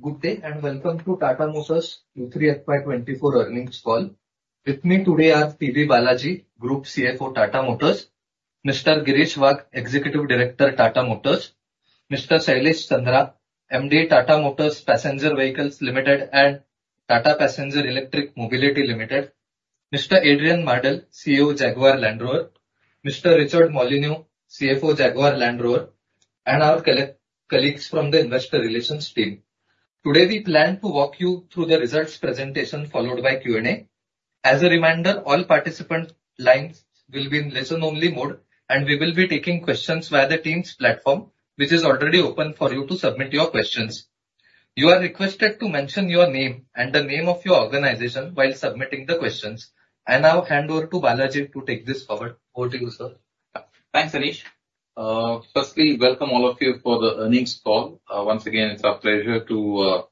Good day, and welcome to Tata Motors' Q3 FY 2024 Earnings Call. With me today are PB Balaji, Group CFO, Tata Motors; Mr. Girish Wagh, Executive Director, Tata Motors; Mr. Shailesh Chandra, MD, Tata Motors Passenger Vehicles Limited and Tata Passenger Electric Mobility Limited; Mr. Adrian Mardell, CEO, Jaguar Land Rover; Mr. Richard Molyneux, CFO, Jaguar Land Rover; and our colleagues from the Investor Relations team. Today, we plan to walk you through the results presentation, followed by Q&A. As a reminder, all participant lines will be in listen-only mode, and we will be taking questions via the Teams platform, which is already open for you to submit your questions. You are requested to mention your name and the name of your organization while submitting the questions. I now hand over to Balaji to take this forward. Over to you, sir. Thanks, Anish. Firstly, welcome all of you for the earnings call. Once again, it's our pleasure to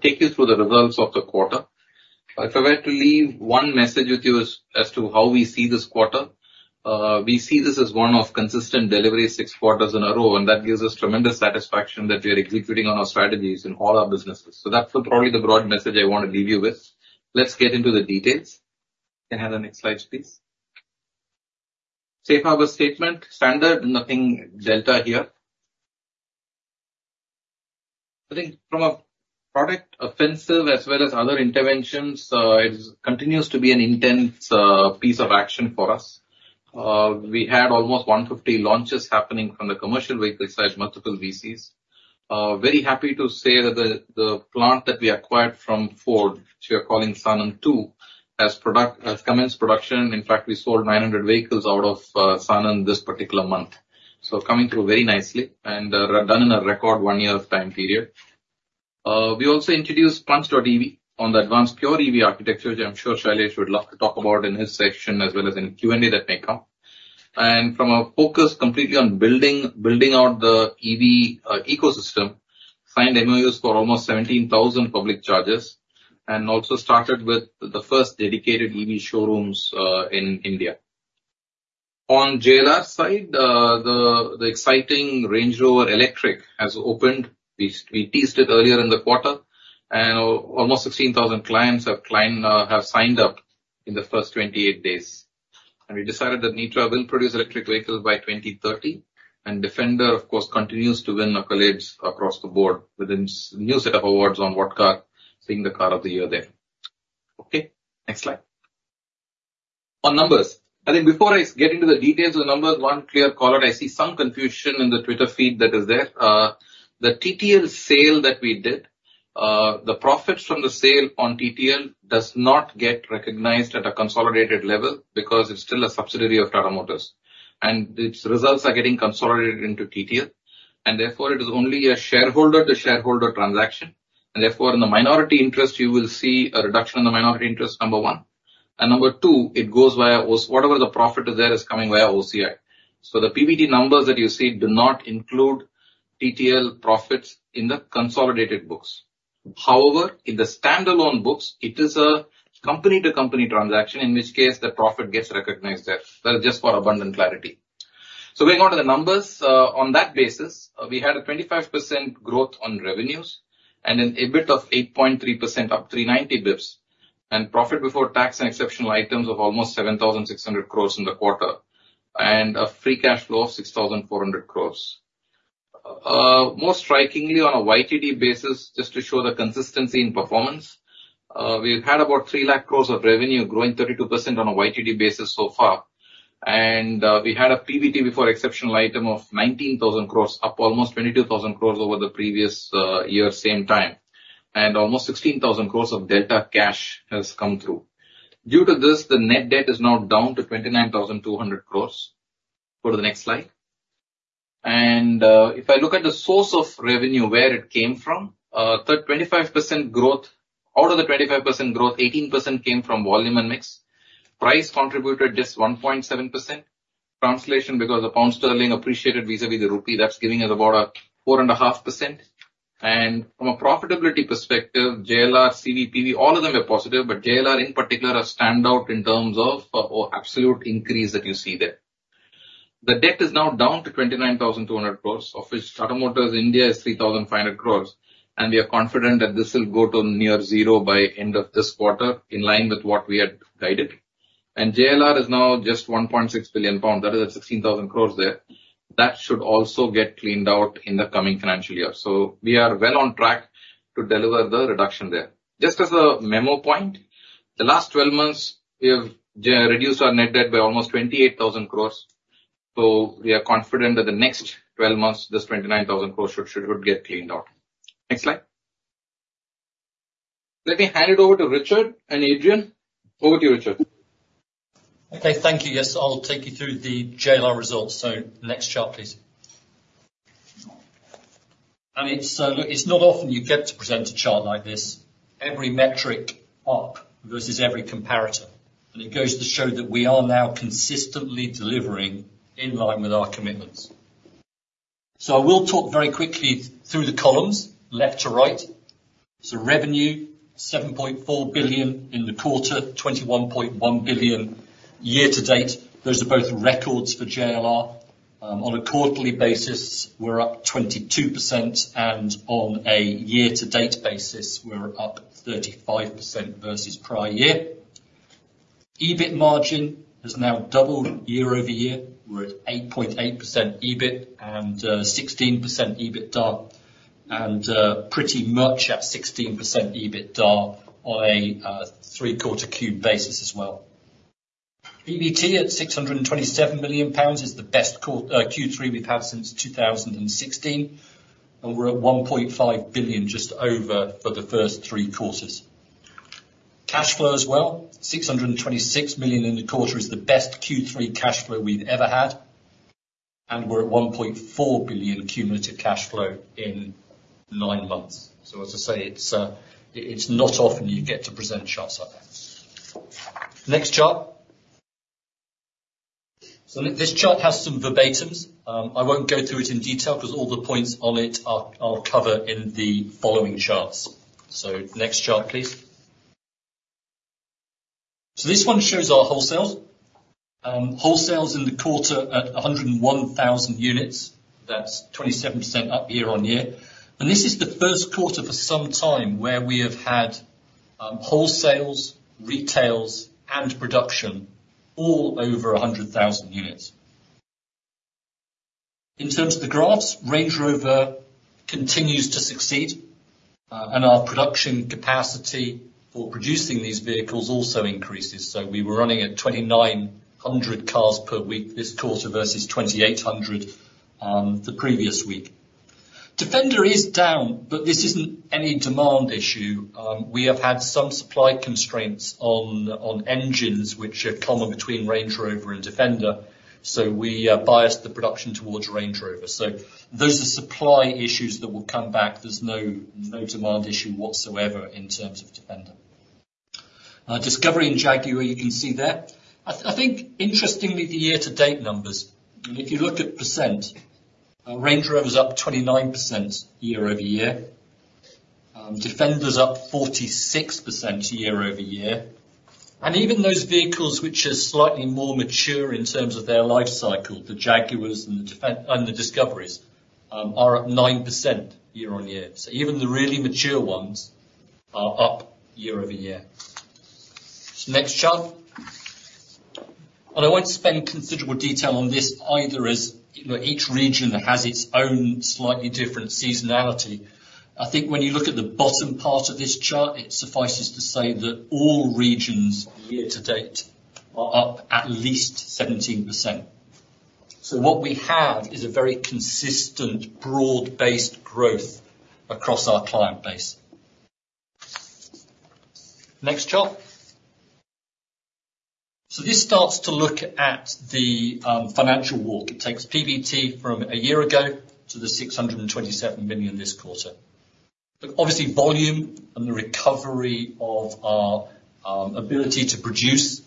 take you through the results of the quarter. If I were to leave one message with you as to how we see this quarter, we see this as one of consistent delivery six quarters in a row, and that gives us tremendous satisfaction that we are executing on our strategies in all our businesses. So that's probably the broad message I want to leave you with. Let's get into the details. Can I have the next slide, please? Safe harbor statement, standard, nothing delta here. I think from a product offensive as well as other interventions, it continues to be an intense piece of action for us. We had almost 150 launches happening from the commercial vehicle side, multiple VCs. Very happy to say that the plant that we acquired from Ford, which we are calling Sanand 2, has commenced production. In fact, we sold 900 vehicles out of Sanand this particular month. So coming through very nicely and done in a record one-year time period. We also introduced Punch.ev on the advanced Pure EV architecture, which I'm sure Shailesh would love to talk about in his section, as well as in Q&A that may come. From our focus completely on building out the EV ecosystem, signed MOUs for almost 17,000 public chargers, and also started with the first dedicated EV showrooms in India. On JLR side, the exciting Range Rover Electric has opened. We teased it earlier in the quarter, and almost 16,000 clients have signed up in the first 28 days. We decided that Nitra will produce electric vehicles by 2030, and Defender, of course, continues to win accolades across the board, with a new set of awards on What Car? Being the Car of the Year there. Okay, next slide. On numbers, I think before I get into the details of the numbers, one clear call, I see some confusion in the Twitter feed that is there. The TTL sale that we did, the profits from the sale on TTL does not get recognized at a consolidated level because it's still a subsidiary of Tata Motors, and its results are getting consolidated into TTL, and therefore it is only a shareholder-to-shareholder transaction. And therefore, in the minority interest, you will see a reduction in the minority interest, number one. And number two, it goes via whatever the profit is there, is coming via OCI. So the PBT numbers that you see do not include TTL profits in the consolidated books. However, in the standalone books, it is a company-to-company transaction, in which case the profit gets recognized there. That is just for abundant clarity. So going on to the numbers, on that basis, we had a 25% growth on revenues and an EBIT of 8.3%, up 390 basis points, and profit before tax and exceptional items of almost 7,600 crore in the quarter, and a free cash flow of 6,400 crore. More strikingly, on a YTD basis, just to show the consistency in performance, we've had about 300,000 crore of revenue, growing 32% on a YTD basis so far. We had a PBT before exceptional item of 19,000 crore, up almost 22,000 crore over the previous year, same time, and almost 16,000 crore of delta cash has come through. Due to this, the net debt is now down to 29,200 crore. Go to the next slide. If I look at the source of revenue, where it came from, third 25% growth—out of the 25% growth, 18% came from volume and mix. Price contributed just 1.7%. Translation, because the pound sterling appreciated vis-à-vis the rupee, that's giving us about a 4.5%. From a profitability perspective, JLR, CV, PV, all of them are positive, but JLR in particular are standout in terms of absolute increase that you see there. The debt is now down to 29,200 crore, of which Tata Motors India is 3,500 crore, and we are confident that this will go to near zero by end of this quarter, in line with what we had guided. And JLR is now just 1.6 billion pounds, that is 16,000 crore there. That should also get cleaned out in the coming financial year. So we are well on track to deliver the reduction there. Just as a memo point, the last 12 months, we have re-reduced our net debt by almost 28,000 crore, so we are confident that the next 12 months, this 29,000 crore should get cleaned out. Next slide. Let me hand it over to Richard and Adrian. Over to you, Richard. Okay, thank you. Yes, I'll take you through the JLR results. So next chart, please. And it's, look, it's not often you get to present a chart like this, every metric up versus every comparator, and it goes to show that we are now consistently delivering in line with our commitments. So I will talk very quickly through the columns, left to right. So revenue, 7.4 billion in the quarter, 21.1 billion year-to-date. Those are both records for JLR. On a quarterly basis, we're up 22%, and on a year-to-date basis, we're up 35% versus prior year. EBIT margin has now doubled year-over-year. We're at 8.8% EBIT, and 16% EBITDA, and pretty much at 16% EBITDA on a three-quarter cumulative basis as well. PBT at 627 million pounds is the best Q3 we've had since 2016, and we're at 1.5 billion, just over, for the first three quarters. Cashflow as well, 626 million in the quarter, is the best Q3 cash flow we've ever had, and we're at 1.4 billion cumulative cash flow in nine months. So as I say, it's not often you get to present charts like this. Next chart. So this chart has some verbatims. I won't go through it in detail, because all the points on it I'll cover in the following charts. So next chart, please. So this one shows our wholesales. Wholesales in the quarter at 101,000 units. That's 27% up year-on-year, and this is the first quarter for some time, where we have had wholesales, retails, and production all over 100,000 units. In terms of the graphs, Range Rover continues to succeed, and our production capacity for producing these vehicles also increases. So we were running at 2,900 cars per week this quarter, versus 2,800 the previous week. Defender is down, but this isn't any demand issue. We have had some supply constraints on engines, which are common between Range Rover and Defender, so we biased the production towards Range Rover. So those are supply issues that will come back. There's no demand issue whatsoever in terms of Defender. Discovery and Jaguar, you can see there. I think, interestingly, the year-to-date numbers, and if you look at percent, Range Rover is up 29% year-over-year, Defender's up 46% year-over-year, and even those vehicles, which are slightly more mature in terms of their life cycle, the Jaguars and the Discoveries, are up 9% year-over-year. So even the really mature ones are up year-over-year. So next chart. I won't spend considerable detail on this, either, as, you know, each region has its own slightly different seasonality. I think when you look at the bottom part of this chart, it suffices to say that all regions year-to-date are up at least 17%. So what we have is a very consistent, broad-based growth across our client base. Next chart. So this starts to look at the financial walk. It takes PBT from a year ago to the 627 million this quarter. But obviously, volume and the recovery of our ability to produce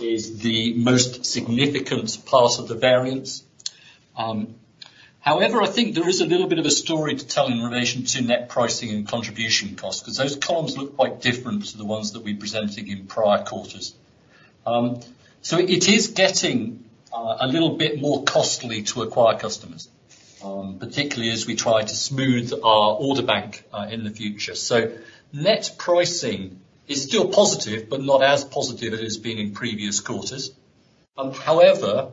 is the most significant part of the variance. However, I think there is a little bit of a story to tell in relation to net pricing and contribution costs, because those columns look quite different to the ones that we presented in prior quarters. So it is getting a little bit more costly to acquire customers, particularly as we try to smooth our order bank in the future. So net pricing is still positive, but not as positive as it has been in previous quarters. However,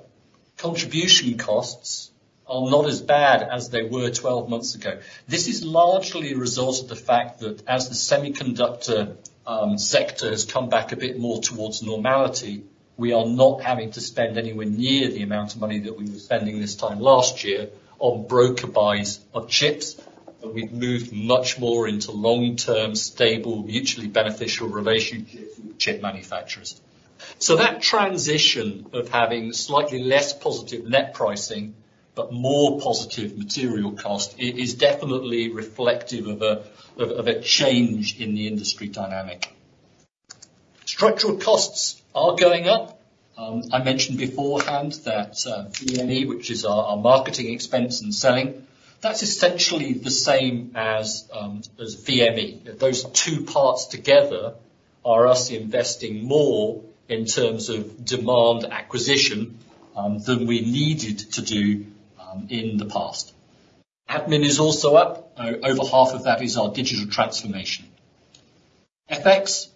contribution costs are not as bad as they were 12 months ago. This is largely a result of the fact that as the semiconductor sector has come back a bit more towards normality, we are not having to spend anywhere near the amount of money that we were spending this time last year on broker buys of chips, and we've moved much more into long-term, stable, mutually beneficial relationship with chip manufacturers. So that transition of having slightly less positive net pricing, but more positive material cost, is definitely reflective of a change in the industry dynamic. Structural costs are going up. I mentioned beforehand that, FME, which is our, our marketing expense and selling, that's essentially the same as, as VME. Those two parts together are us investing more in terms of demand acquisition, than we needed to do, in the past. Admin is also up. Over half of that is our digital transformation. FX,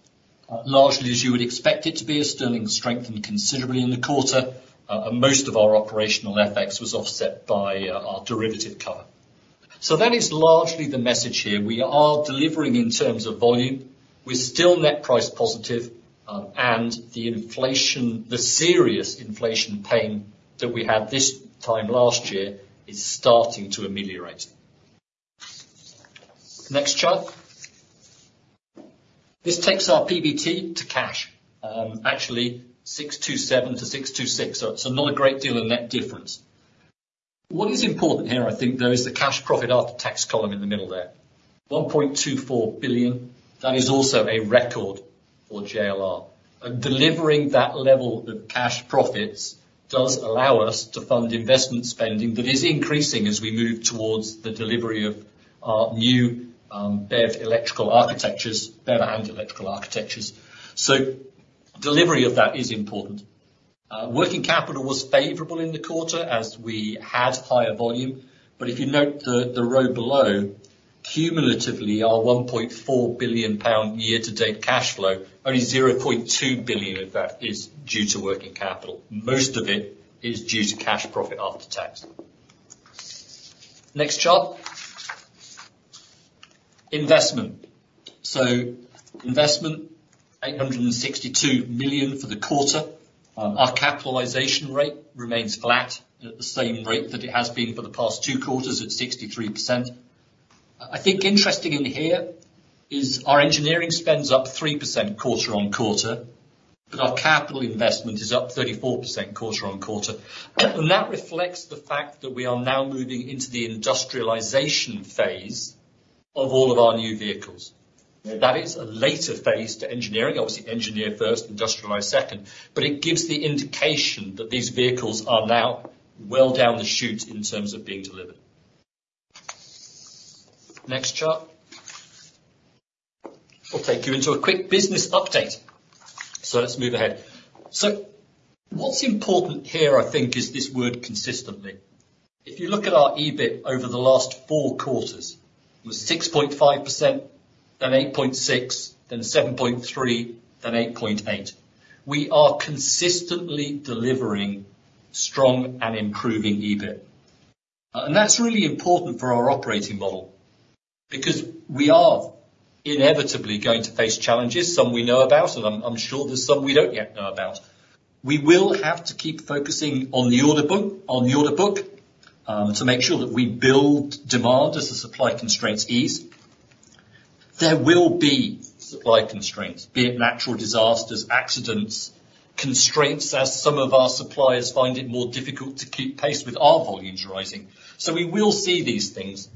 largely as you would expect it to be, as sterling strengthened considerably in the quarter, most of our operational FX was offset by, our derivative cover. So that is largely the message here. We are delivering in terms of volume. We're still net price positive, and the inflation, the serious inflation pain that we had this time last year, is starting to ameliorate. Next chart. This takes our PBT to cash. Actually, 627 million-626 million, so it's not a great deal of net difference. What is important here, I think, though, is the cash profit after tax column in the middle there. 1.24 billion, that is also a record for JLR. And delivering that level of cash profits does allow us to fund investment spending, that is increasing as we move towards the delivery of our new BEV and electrical architectures, BEV and electrical architectures. So delivery of that is important. Working capital was favorable in the quarter as we had higher volume, but if you note the, the row below, cumulatively, our 1.4 billion pound year-to-date cash flow, only 0.2 billion of that is due to working capital. Most of it is due to cash profit after tax. Next chart. Investment. So, investment, 862 million for the quarter. Our capitalization rate remains flat at the same rate that it has been for the past two quarters, at 63%. I think interesting in here is our engineering spend's up 3% quarter-on-quarter, but our capital investment is up 34% quarter-on-quarter. And that reflects the fact that we are now moving into the industrialization phase of all of our new vehicles. That is a later phase to engineering. Obviously, engineer first, industrialize second, but it gives the indication that these vehicles are now well down the chute in terms of being delivered. Next chart. Will take you into a quick business update, so let's move ahead. So what's important here, I think, is this word, consistently. If you look at our EBIT over the last four quarters, it was 6.5%, then 8.6%, then 7.3%, then 8.8%. We are consistently delivering strong and improving EBIT. And that's really important for our operating model, because we are inevitably going to face challenges, some we know about, and I'm, I'm sure there's some we don't yet know about. We will have to keep focusing on the order book, on the order book, to make sure that we build demand as the supply constraints ease. There will be supply constraints, be it natural disasters, accidents, constraints, as some of our suppliers find it more difficult to keep pace with our volumes rising. So we will see these things,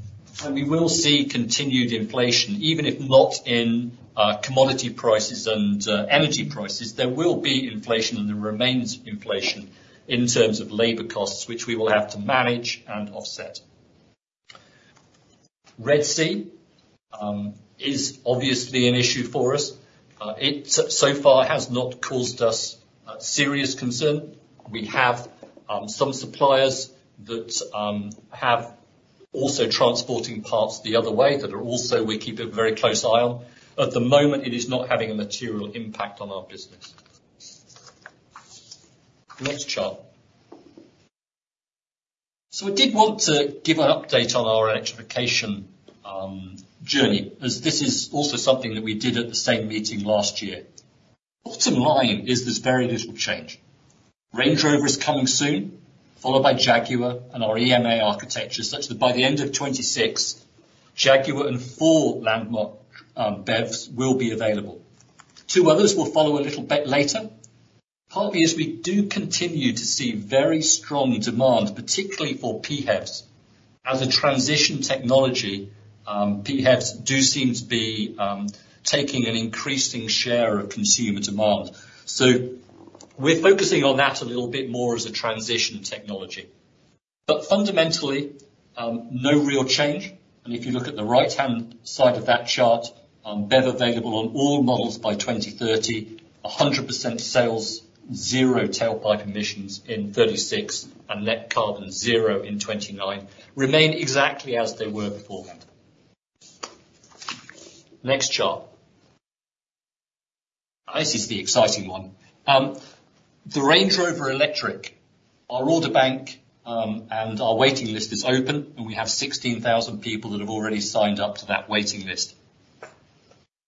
and we will see continued inflation, even if not in commodity prices and energy prices, there will be inflation in the remnants of inflation in terms of labor costs, which we will have to manage and offset. Red Sea is obviously an issue for us. It, so far, has not caused us serious concern. We have some suppliers that have alternative transport paths the other way. We keep a very close eye on. At the moment, it is not having a material impact on our business. Next chart. So I did want to give an update on our electrification journey, as this is also something that we did at the same meeting last year. Bottom line is there's very little change. Range Rover is coming soon, followed by Jaguar and our EMA architecture, such that by the end of 2026, Jaguar and four landmark BEVs will be available. Two others will follow a little bit later. Partly, is we do continue to see very strong demand, particularly for PHEVs. As a transition technology, PHEVs do seem to be taking an increasing share of consumer demand. So we're focusing on that a little bit more as a transition technology. But fundamentally, no real change. And if you look at the right-hand side of that chart, BEV available on all models by 2030, 100% sales, zero tailpipe emissions in 2036, and net carbon zero in 2029, remain exactly as they were beforehand. Next chart. This is the exciting one. The Range Rover Electric, our order bank, and our waiting list is open, and we have 16,000 people that have already signed up to that waiting list.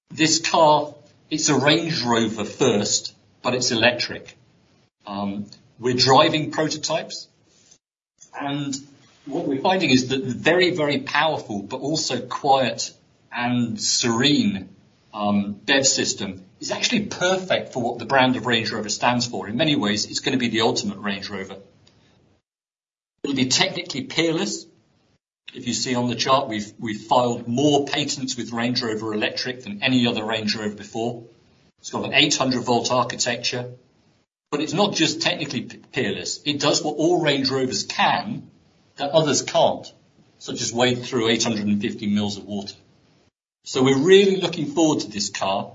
This car, it's a Range Rover first, but it's electric. We're driving prototypes, and what we're finding is that the very, very powerful, but also quiet and serene BEV system, is actually perfect for what the brand of Range Rover stands for. In many ways, it's gonna be the ultimate Range Rover. It'll be technically peerless. If you see on the chart, we've filed more patents with Range Rover Electric than any other Range Rover before. It's got an 800-volt architecture, but it's not just technically peerless, it does what all Range Rovers can, that others can't. Such as wade through 850 mils of water. So we're really looking forward to this car.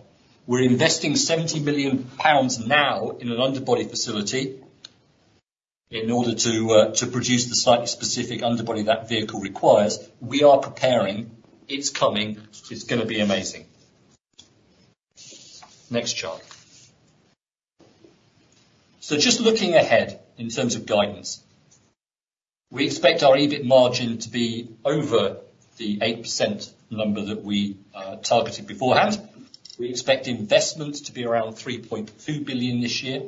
We're investing 70 million pounds now in an underbody facility, in order to produce the slightly specific underbody that vehicle requires. We are preparing. It's coming. It's gonna be amazing. Next chart. So just looking ahead in terms of guidance, we expect our EBIT margin to be over the 8% number that we targeted beforehand. We expect investments to be around 3.2 billion this year,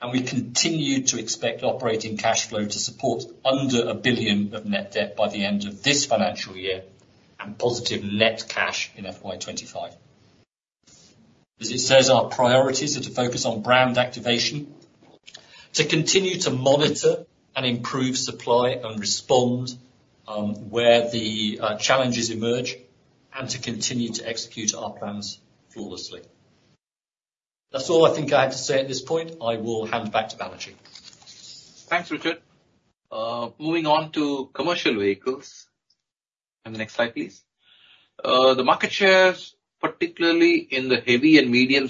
and we continue to expect operating cash flow to support under 1 billion of net debt by the end of this financial year, and positive net cash in FY 2025. As it says, our priorities are to focus on brand activation to continue to monitor and improve supply and respond where the challenges emerge, and to continue to execute our plans flawlessly. That's all I think I have to say at this point. I will hand back to Balaji. Thanks, Richard. Moving on to commercial vehicles. Next slide, please. The market shares, particularly in the heavy and medium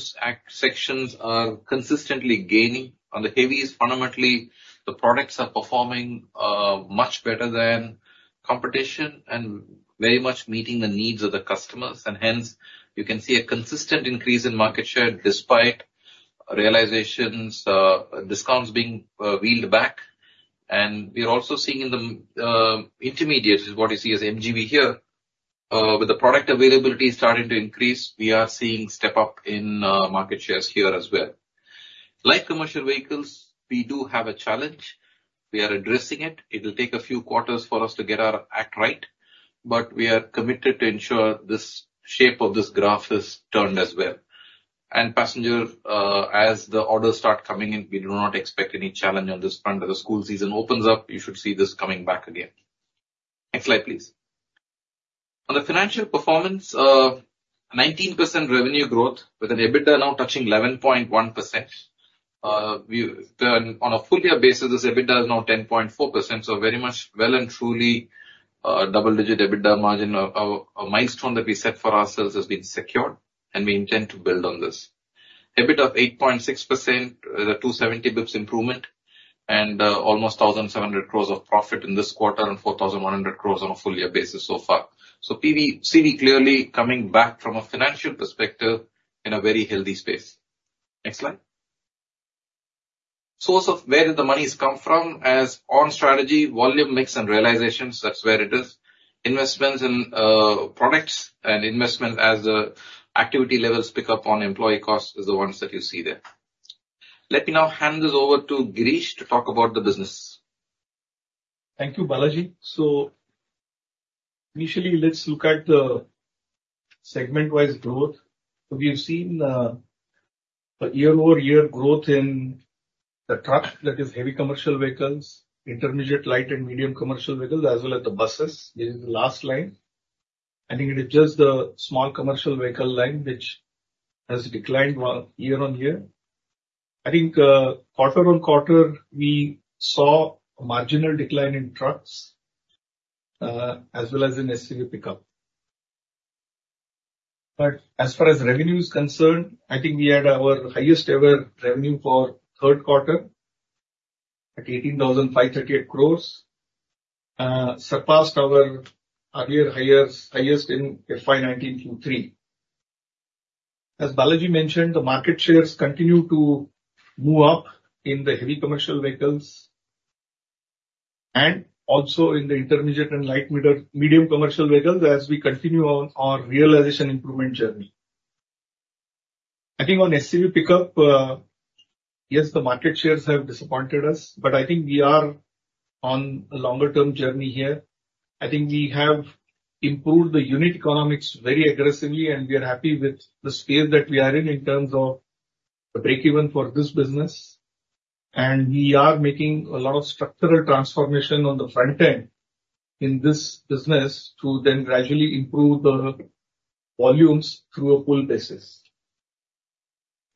sections, are consistently gaining. On the heavies, fundamentally, the products are performing much better than competition and very much meeting the needs of the customers. And hence, you can see a consistent increase in market share despite realizations, discounts being wheeled back. And we're also seeing in the intermediates, is what you see as MGV here, with the product availability starting to increase, we are seeing step up in market shares here as well. Like commercial vehicles, we do have a challenge. We are addressing it. It will take a few quarters for us to get our act right, but we are committed to ensure this shape of this graph is turned as well. And passenger, as the orders start coming in, we do not expect any challenge on this front. As the school season opens up, you should see this coming back again. Next slide, please. On the financial performance, 19% revenue growth with an EBITDA now touching 11.1%. On a full-year basis, this EBITDA is now 10.4%, so very much well and truly a double-digit EBITDA margin. Our milestone that we set for ourselves has been secured, and we intend to build on this. EBIT of 8.6%, with a 270 basis points improvement, and almost 1,700 crore of profit in this quarter and 4,100 crore on a full year basis so far. So CV clearly coming back from a financial perspective in a very healthy space. Next slide. Source of where the monies come from, as on strategy, volume, mix, and realization, that's where it is. Investments in products and investment as the activity levels pick up on employee costs is the ones that you see there. Let me now hand this over to Girish to talk about the business. Thank you, Balaji. So initially, let's look at the segment-wise growth. We have seen a year-over-year growth in the truck, that is heavy commercial vehicles, intermediate, light and medium commercial vehicles, as well as the buses in the last line. I think it is just the small commercial vehicle line which has declined more year-on-year. I think, quarter-on-quarter, we saw a marginal decline in trucks, as well as in SCV pickup. But as far as revenue is concerned, I think we had our highest ever revenue for third quarter at 18,538 crore, surpassed our earlier highest, highest in FY 2019 Q3. As Balaji mentioned, the market shares continue to move up in the heavy commercial vehicles and also in the intermediate and light middle, medium commercial vehicles as we continue on our realization improvement journey. I think on SCV pickup, yes, the market shares have disappointed us, but I think we are on a longer-term journey here. I think we have improved the unit economics very aggressively, and we are happy with the scale that we are in, in terms of the break-even for this business. And we are making a lot of structural transformation on the front end in this business to then gradually improve the volumes through a full basis.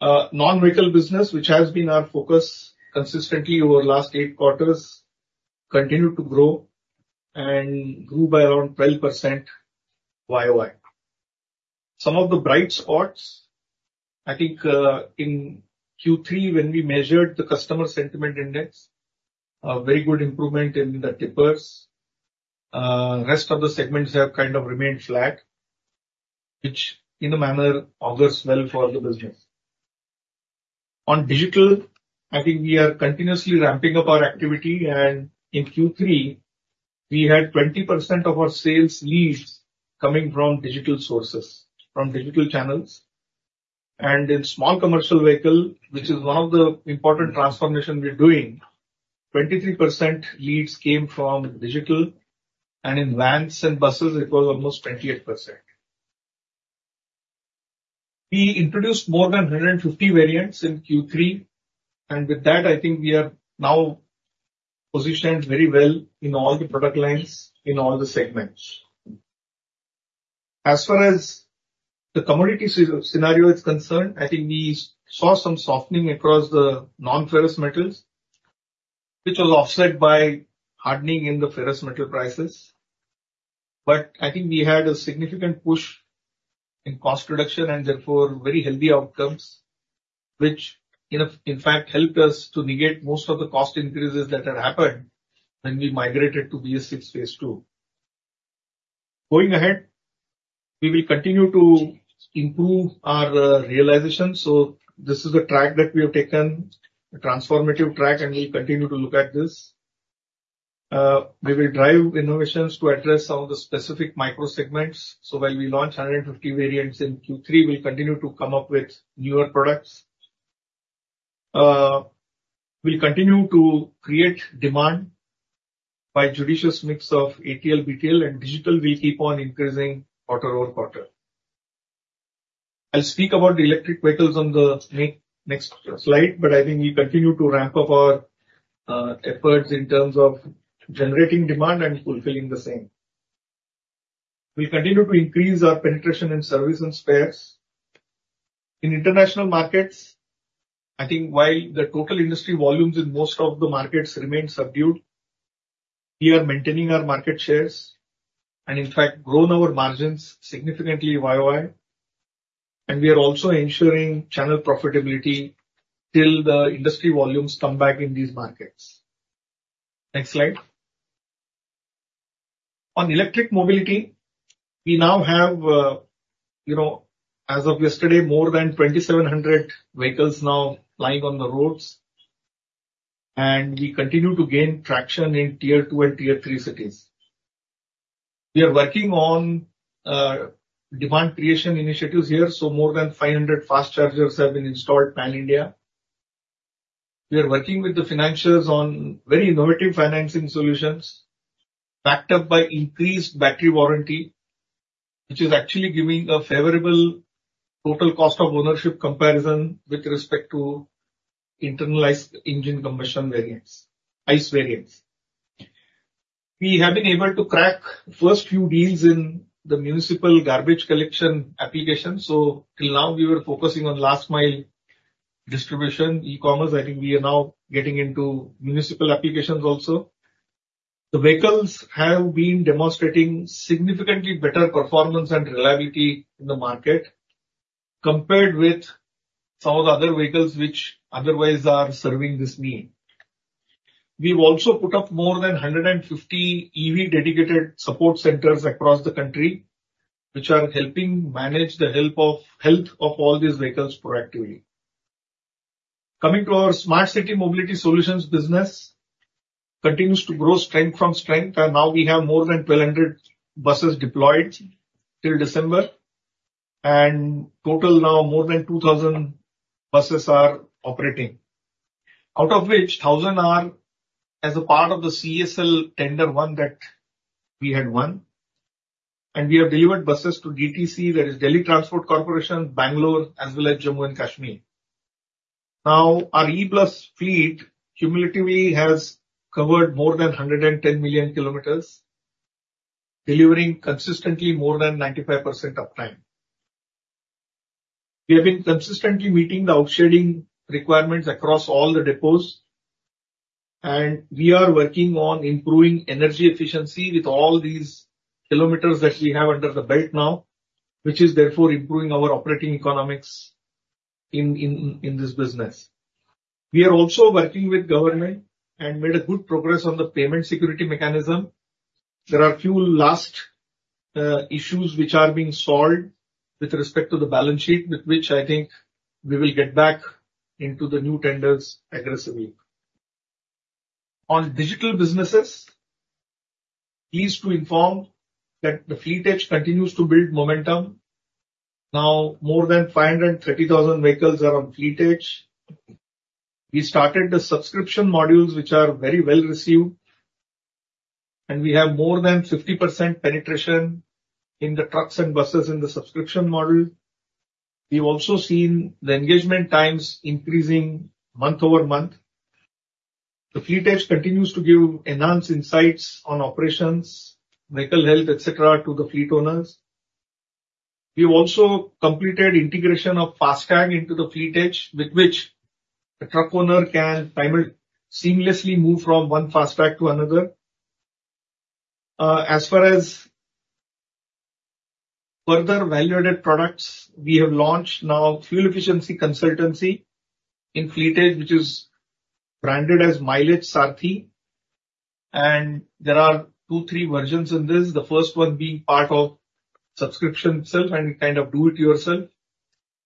Non-vehicle business, which has been our focus consistently over last eight quarters, continued to grow and grew by around 12% YoY. Some of the bright spots, I think, in Q3, when we measured the customer sentiment index, a very good improvement in the tippers. Rest of the segments have kind of remained flat, which in a manner, augurs well for the business. On digital, I think we are continuously ramping up our activity, and in Q3, we had 20% of our sales leads coming from digital sources, from digital channels. In small commercial vehicle, which is one of the important transformation we're doing, 23% leads came from digital, and in vans and buses, it was almost 28%. We introduced more than 150 variants in Q3, and with that, I think we are now positioned very well in all the product lines, in all the segments. As far as the commodity scenario is concerned, I think we saw some softening across the non-ferrous metals, which was offset by hardening in the ferrous metal prices. But I think we had a significant push in cost reduction and therefore, very healthy outcomes, which, in fact, helped us to negate most of the cost increases that had happened when we migrated to BS6 Phase II. Going ahead, we will continue to improve our realization. So this is the track that we have taken, a transformative track, and we'll continue to look at this. We will drive innovations to address some of the specific micro-segments. So while we launch 150 variants in Q3, we'll continue to come up with newer products. We'll continue to create demand by judicious mix of ATL, BTL and digital. We keep on increasing quarter-over-quarter. I'll speak about the electric vehicles on the next slide, but I think we continue to ramp up our efforts in terms of generating demand and fulfilling the same. We continue to increase our penetration in service and spares. In international markets, I think while the total industry volumes in most of the markets remain subdued, we are maintaining our market shares, and in fact, grown our margins significantly YoY. And we are also ensuring channel profitability till the industry volumes come back in these markets. Next slide. On electric mobility, we now have, you know, as of yesterday, more than 2,700 vehicles now plying on the roads, and we continue to gain traction in Tier 2 and Tier 3 cities. We are working on demand creation initiatives here, so more than 500 fast chargers have been installed pan-India. We are working with the financials on very innovative financing solutions, backed up by increased battery warranty, which is actually giving a favorable total cost of ownership comparison with respect to internal combustion engine variants, ICE variants. We have been able to crack first few deals in the municipal garbage collection application. So till now, we were focusing on last mile distribution, e-commerce. I think we are now getting into municipal applications also. The vehicles have been demonstrating significantly better performance and reliability in the market compared with some of the other vehicles which otherwise are serving this need. We've also put up more than 150 EV dedicated support centers across the country, which are helping manage the health of all these vehicles proactively. Coming to our Smart City Mobility Solutions business, continues to grow strength from strength, and now we have more than 1,200 buses deployed till December, and total now more than 2,000 buses are operating. Out of which, 1,000 are as a part of the CESL tender 1 that we had won, and we have delivered buses to DTC, that is Delhi Transport Corporation, Bangalore, as well as Jammu and Kashmir. Now, our e-bus fleet cumulatively has covered more than 110 million kilometers, delivering consistently more than 95% uptime. We have been consistently meeting the outstanding requirements across all the depots, and we are working on improving energy efficiency with all these kilometers that we have under the belt now, which is therefore improving our operating economics in this business. We are also working with government and made a good progress on the payment security mechanism. There are a few last issues which are being solved with respect to the balance sheet, with which I think we will get back into the new tenders aggressively. On digital businesses, pleased to inform that the Fleet Edge continues to build momentum. Now, more than 530,000 vehicles are on Fleet Edge. We started the subscription modules, which are very well received, and we have more than 50% penetration in the trucks and buses in the subscription model. We've also seen the engagement times increasing month-over-month. The Fleet Edge continues to give enhanced insights on operations, vehicle health, et cetera, to the fleet owners. We've also completed integration of FASTag into the Fleet Edge, with which the truck owner can seamlessly move from one FASTag to another. As far as further value-added products, we have launched now fuel efficiency consultancy in Fleet Edge, which is branded as Mileage Saarathi, and there are two, three versions in this. The first one being part of subscription itself, and kind of do it yourself,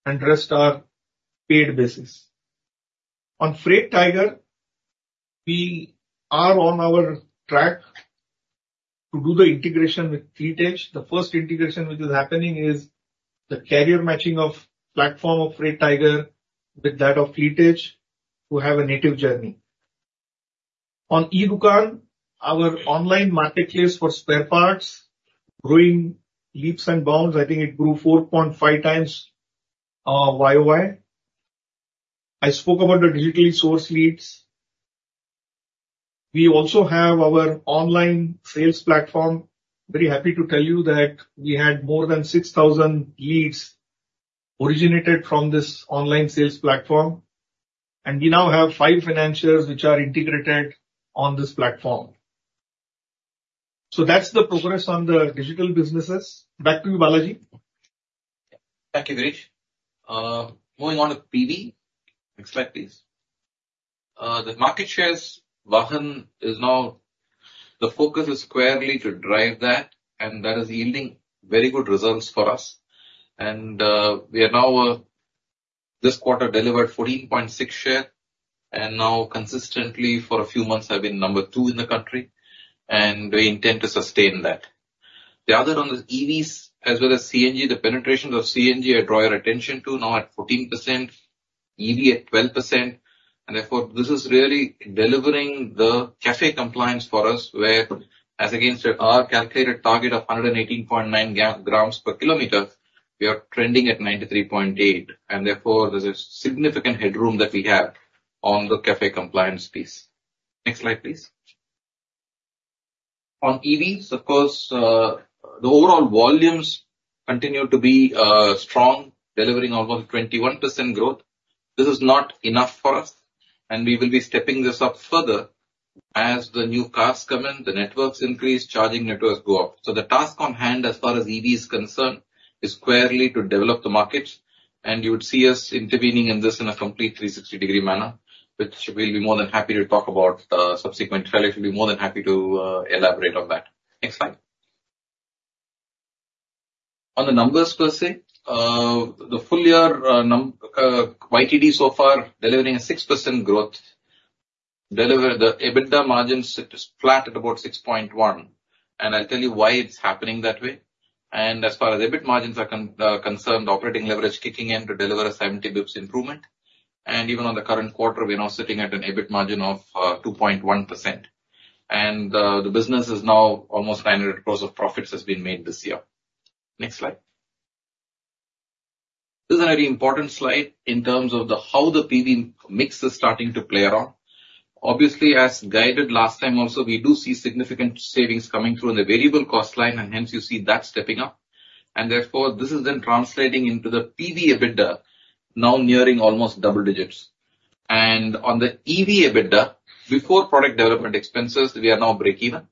and rest are paid basis. On Freight Tiger, we are on our track to do the integration with Fleet Edge. The first integration, which is happening, is the carrier matching of platform of Freight Tiger with that of Fleet Edge to have a native journey. On e-Dukaan, our online marketplace for spare parts, growing leaps and bounds, I think it grew 4.5x, YoY. I spoke about the digitally sourced leads. We also have our online sales platform. Very happy to tell you that we had more than 6,000 leads originated from this online sales platform, and we now have 5 financials which are integrated on this platform. That's the progress on the digital businesses. Back to you, Balaji. Thank you, Girish. Moving on to PV. Next slide, please. The market shares, Vahan is now, the focus is squarely to drive that, and that is yielding very good results for us. We have now this quarter delivered 14.6% share, and now consistently for a few months have been number two in the country, and we intend to sustain that. The other one is EVs, as well as CNG. The penetration of CNG, I draw your attention to, now at 14%, EV at 12%, and therefore, this is really delivering the CAFE compliance for us, where as against our calculated target of 118.9 g/km, we are trending at 93.8 g/km, and therefore, there's a significant headroom that we have on the CAFE compliance piece. Next slide, please. On EVs, of course, the overall volumes continue to be, strong, delivering almost 21% growth. This is not enough for us, and we will be stepping this up further as the new cars come in, the networks increase, charging networks go up. So the task on hand, as far as EV is concerned, is squarely to develop the markets, and you would see us intervening in this in a complete 360-degree manner, which we'll be more than happy to talk about, subsequent, Shailesh will be more than happy to, elaborate on that. Next slide. On the numbers per se, the full year, YTD so far, delivering a 6% growth, deliver the EBITDA margins is flat at about 6.1%, and I'll tell you why it's happening that way. As far as EBIT margins are concerned, operating leverage kicking in to deliver a 70 basis points improvement. Even on the current quarter, we're now sitting at an EBIT margin of 2.1%. The business is now almost 900 crores of profits has been made this year. Next slide. This is a very important slide in terms of how the PV mix is starting to play around. Obviously, as guided last time also, we do see significant savings coming through in the variable cost line, and hence you see that stepping up. Therefore, this is then translating into the PV EBITDA, now nearing almost double digits. On the EV EBITDA, before product development expenses, we are now breakeven.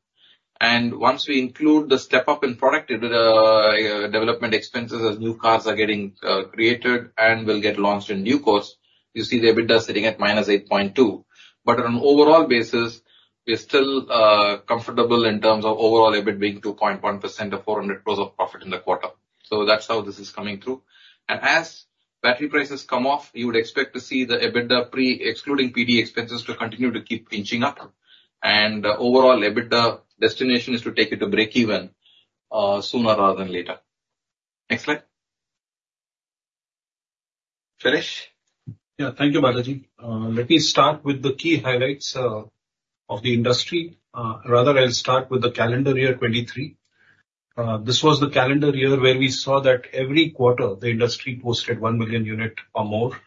Once we include the step up in product into the development expenses as new cars are getting created and will get launched in new course, you see the EBITDA sitting at -8.2%. But on an overall basis, we are still comfortable in terms of overall EBIT being 2.1% or 400 crores of profit in the quarter. So that's how this is coming through. As battery prices come off, you would expect to see the EBITDA pre-excluding PV expenses to continue to keep inching up. Overall EBITDA destination is to take it to breakeven sooner rather than later. Next slide. Shailesh? Yeah. Thank you, Balaji. Let me start with the key highlights of the industry. Rather, I'll start with the calendar year 2023. This was the calendar year where we saw that every quarter, the industry posted 1 million unit or more,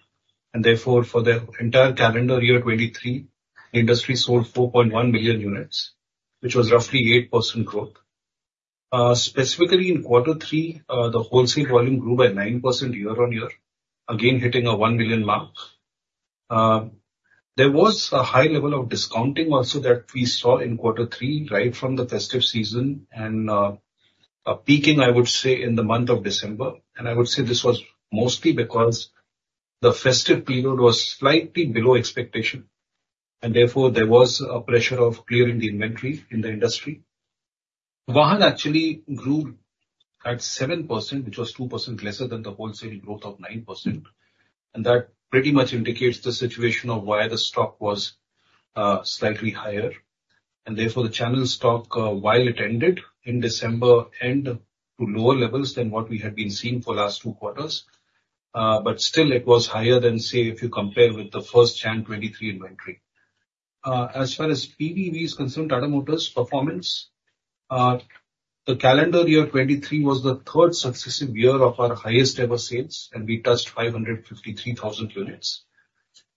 and therefore, for the entire calendar year 2023, the industry sold 4.1 million units, which was roughly 8% growth. Specifically in quarter three, the wholesale volume grew by 9% year-on-year, again, hitting a 1 million mark. There was a high level of discounting also that we saw in quarter three, right from the festive season, and peaking, I would say, in the month of December. I would say this was mostly because the festive period was slightly below expectation, and therefore, there was a pressure of clearing the inventory in the industry. Vahan actually grew at 7%, which was 2% lesser than the wholesaling growth of 9%, and that pretty much indicates the situation of why the stock was slightly higher. Therefore, the channel stock, while it ended in December end to lower levels than what we had been seeing for last two quarters, but still, it was higher than, say, if you compare with the 1st January 2023 inventory. As far as PV EVs concerned, Tata Motors' performance, the calendar year 2023, was the third successive year of our highest ever sales, and we touched 553,000 units.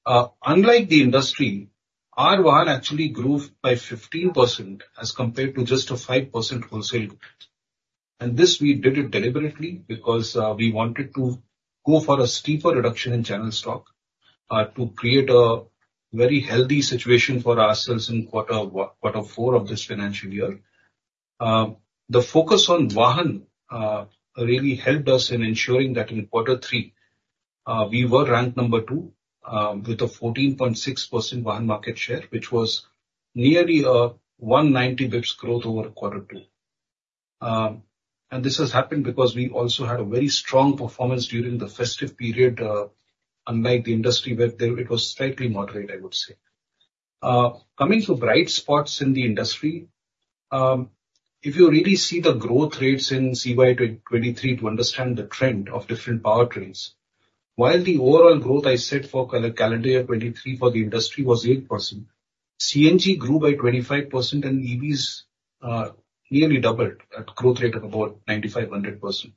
Unlike the industry, our Vahan actually grew by 15% as compared to just a 5% wholesale. And this, we did it deliberately, because we wanted to go for a steeper reduction in channel stock, to create a very healthy situation for ourselves in quarter four of this financial year. The focus on Vahan really helped us in ensuring that in quarter three, we were ranked number two, with a 14.6% Vahan market share, which was nearly 190 basis points growth over quarter two. And this has happened because we also had a very strong performance during the festive period, unlike the industry, where there it was slightly moderate, I would say. Coming to bright spots in the industry, if you really see the growth rates in CY 2023 to understand the trend of different powertrains, while the overall growth, I said, for calendar year 2023 for the industry was 8%, CNG grew by 25%, and EVs nearly doubled at growth rate of about 95%-100%.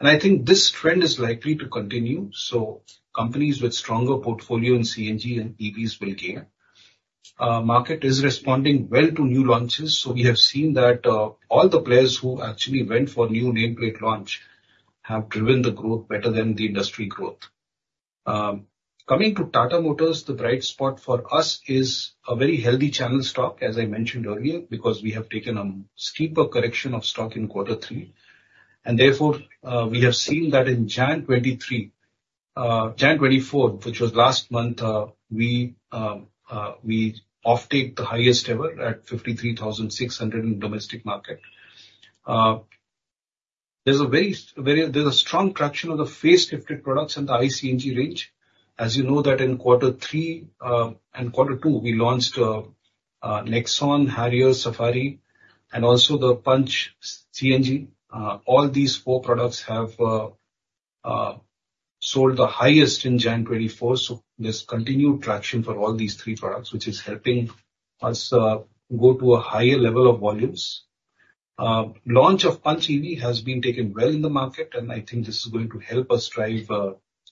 And I think this trend is likely to continue, so companies with stronger portfolio in CNG and EVs will gain. Market is responding well to new launches, so we have seen that, all the players who actually went for new nameplate launch have driven the growth better than the industry growth. Coming to Tata Motors, the bright spot for us is a very healthy channel stock, as I mentioned earlier, because we have taken a steeper correction of stock in quarter three. And therefore, we have seen that in January 2023, January 2024, which was last month, we offtake the highest ever at 53,600 in domestic market. There's a strong traction of the facelifted products in the iCNG range. As you know that in quarter three and quarter two, we launched Nexon, Harrier, Safari, and also the Punch CNG. All these four products have sold the highest in January 2024, so there's continued traction for all these three products, which is helping us go to a higher level of volumes. Launch of Punch EV has been taken well in the market, and I think this is going to help us drive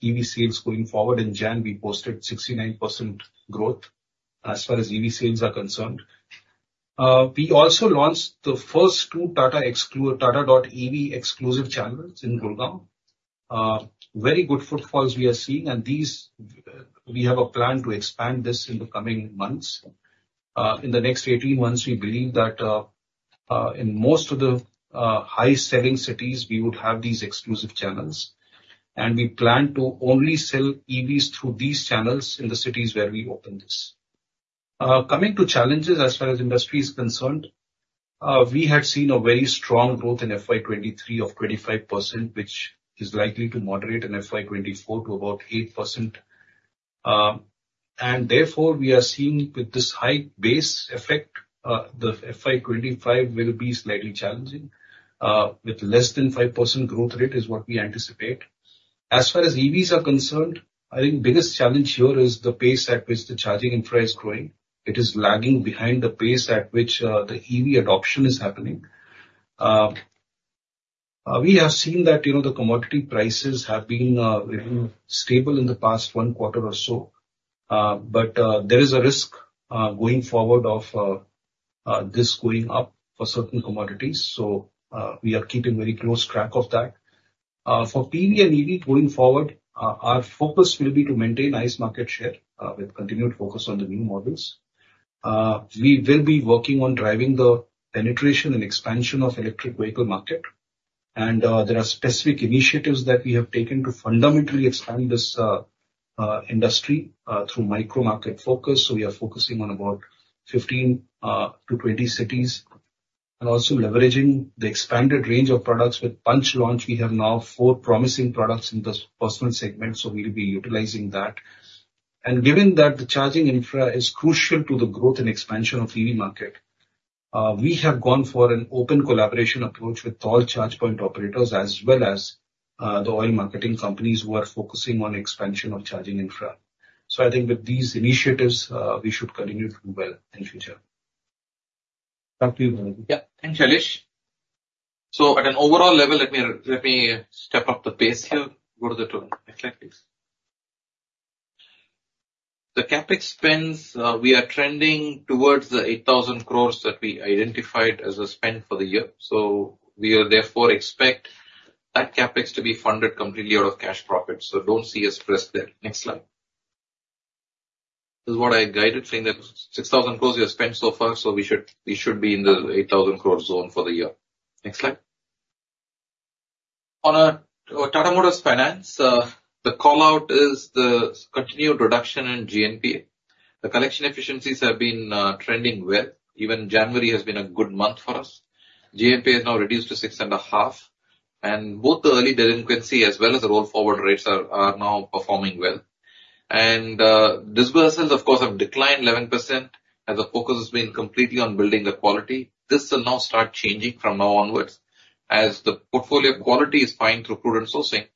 EV sales going forward. In January, we posted 69% growth as far as EV sales are concerned. We also launched the first two Tata.ev exclusive channels in Gurgaon. Very good footfalls we are seeing, and these, we have a plan to expand this in the coming months. In the next 18 months, we believe that, in most of the, high selling cities, we would have these exclusive channels. And we plan to only sell EVs through these channels in the cities where we open this. Coming to challenges as far as industry is concerned, we had seen a very strong growth in FY 2023 of 25%, which is likely to moderate in FY 2024 to about 8%. Therefore, we are seeing with this high base effect, the FY 2025 will be slightly challenging, with less than 5% growth rate is what we anticipate. As far as EVs are concerned, I think the biggest challenge here is the pace at which the charging infra is growing. It is lagging behind the pace at which, the EV adoption is happening. We have seen that, you know, the commodity prices have been, stable in the past one quarter or so, but, there is a risk, going forward of, this going up for certain commodities, so, we are keeping very close track of that. For PV and EV going forward, our focus will be to maintain nice market share, with continued focus on the new models. We will be working on driving the penetration and expansion of electric vehicle market, and there are specific initiatives that we have taken to fundamentally expand this industry through micro-market focus. We are focusing on about 15-20 cities, and also leveraging the expanded range of products. With Punch launch, we have now four promising products in this personal segment, so we'll be utilizing that. Given that the charging infra is crucial to the growth and expansion of EV market, we have gone for an open collaboration approach with all charge point operators, as well as the oil marketing companies who are focusing on expansion of charging infra. I think with these initiatives, we should continue to do well in the future. Back to you, Balaji. Yeah. Thanks, Shailesh. So at an overall level, let me, let me step up the pace here. Go to the top. Next slide, please. The CapEx spends, we are trending towards the 8,000 crore that we identified as a spend for the year. So we are therefore expect that CapEx to be funded completely out of cash profits. So don't see us pressed there. Next slide. This is what I guided, saying that 6,000 crore we have spent so far, so we should, we should be in the 8,000 crore zone for the year. Next slide. On Tata Motors Finance, the call-out is the continued reduction in GNPA. The collection efficiencies have been trending well. Even January has been a good month for us. GNPA is now reduced to 6.5%, and both the early delinquency as well as the roll-forward rates are now performing well. Disbursements, of course, have declined 11%, as the focus has been completely on building the quality. This will now start changing from now onwards. As the portfolio quality is fine through prudent sourcing,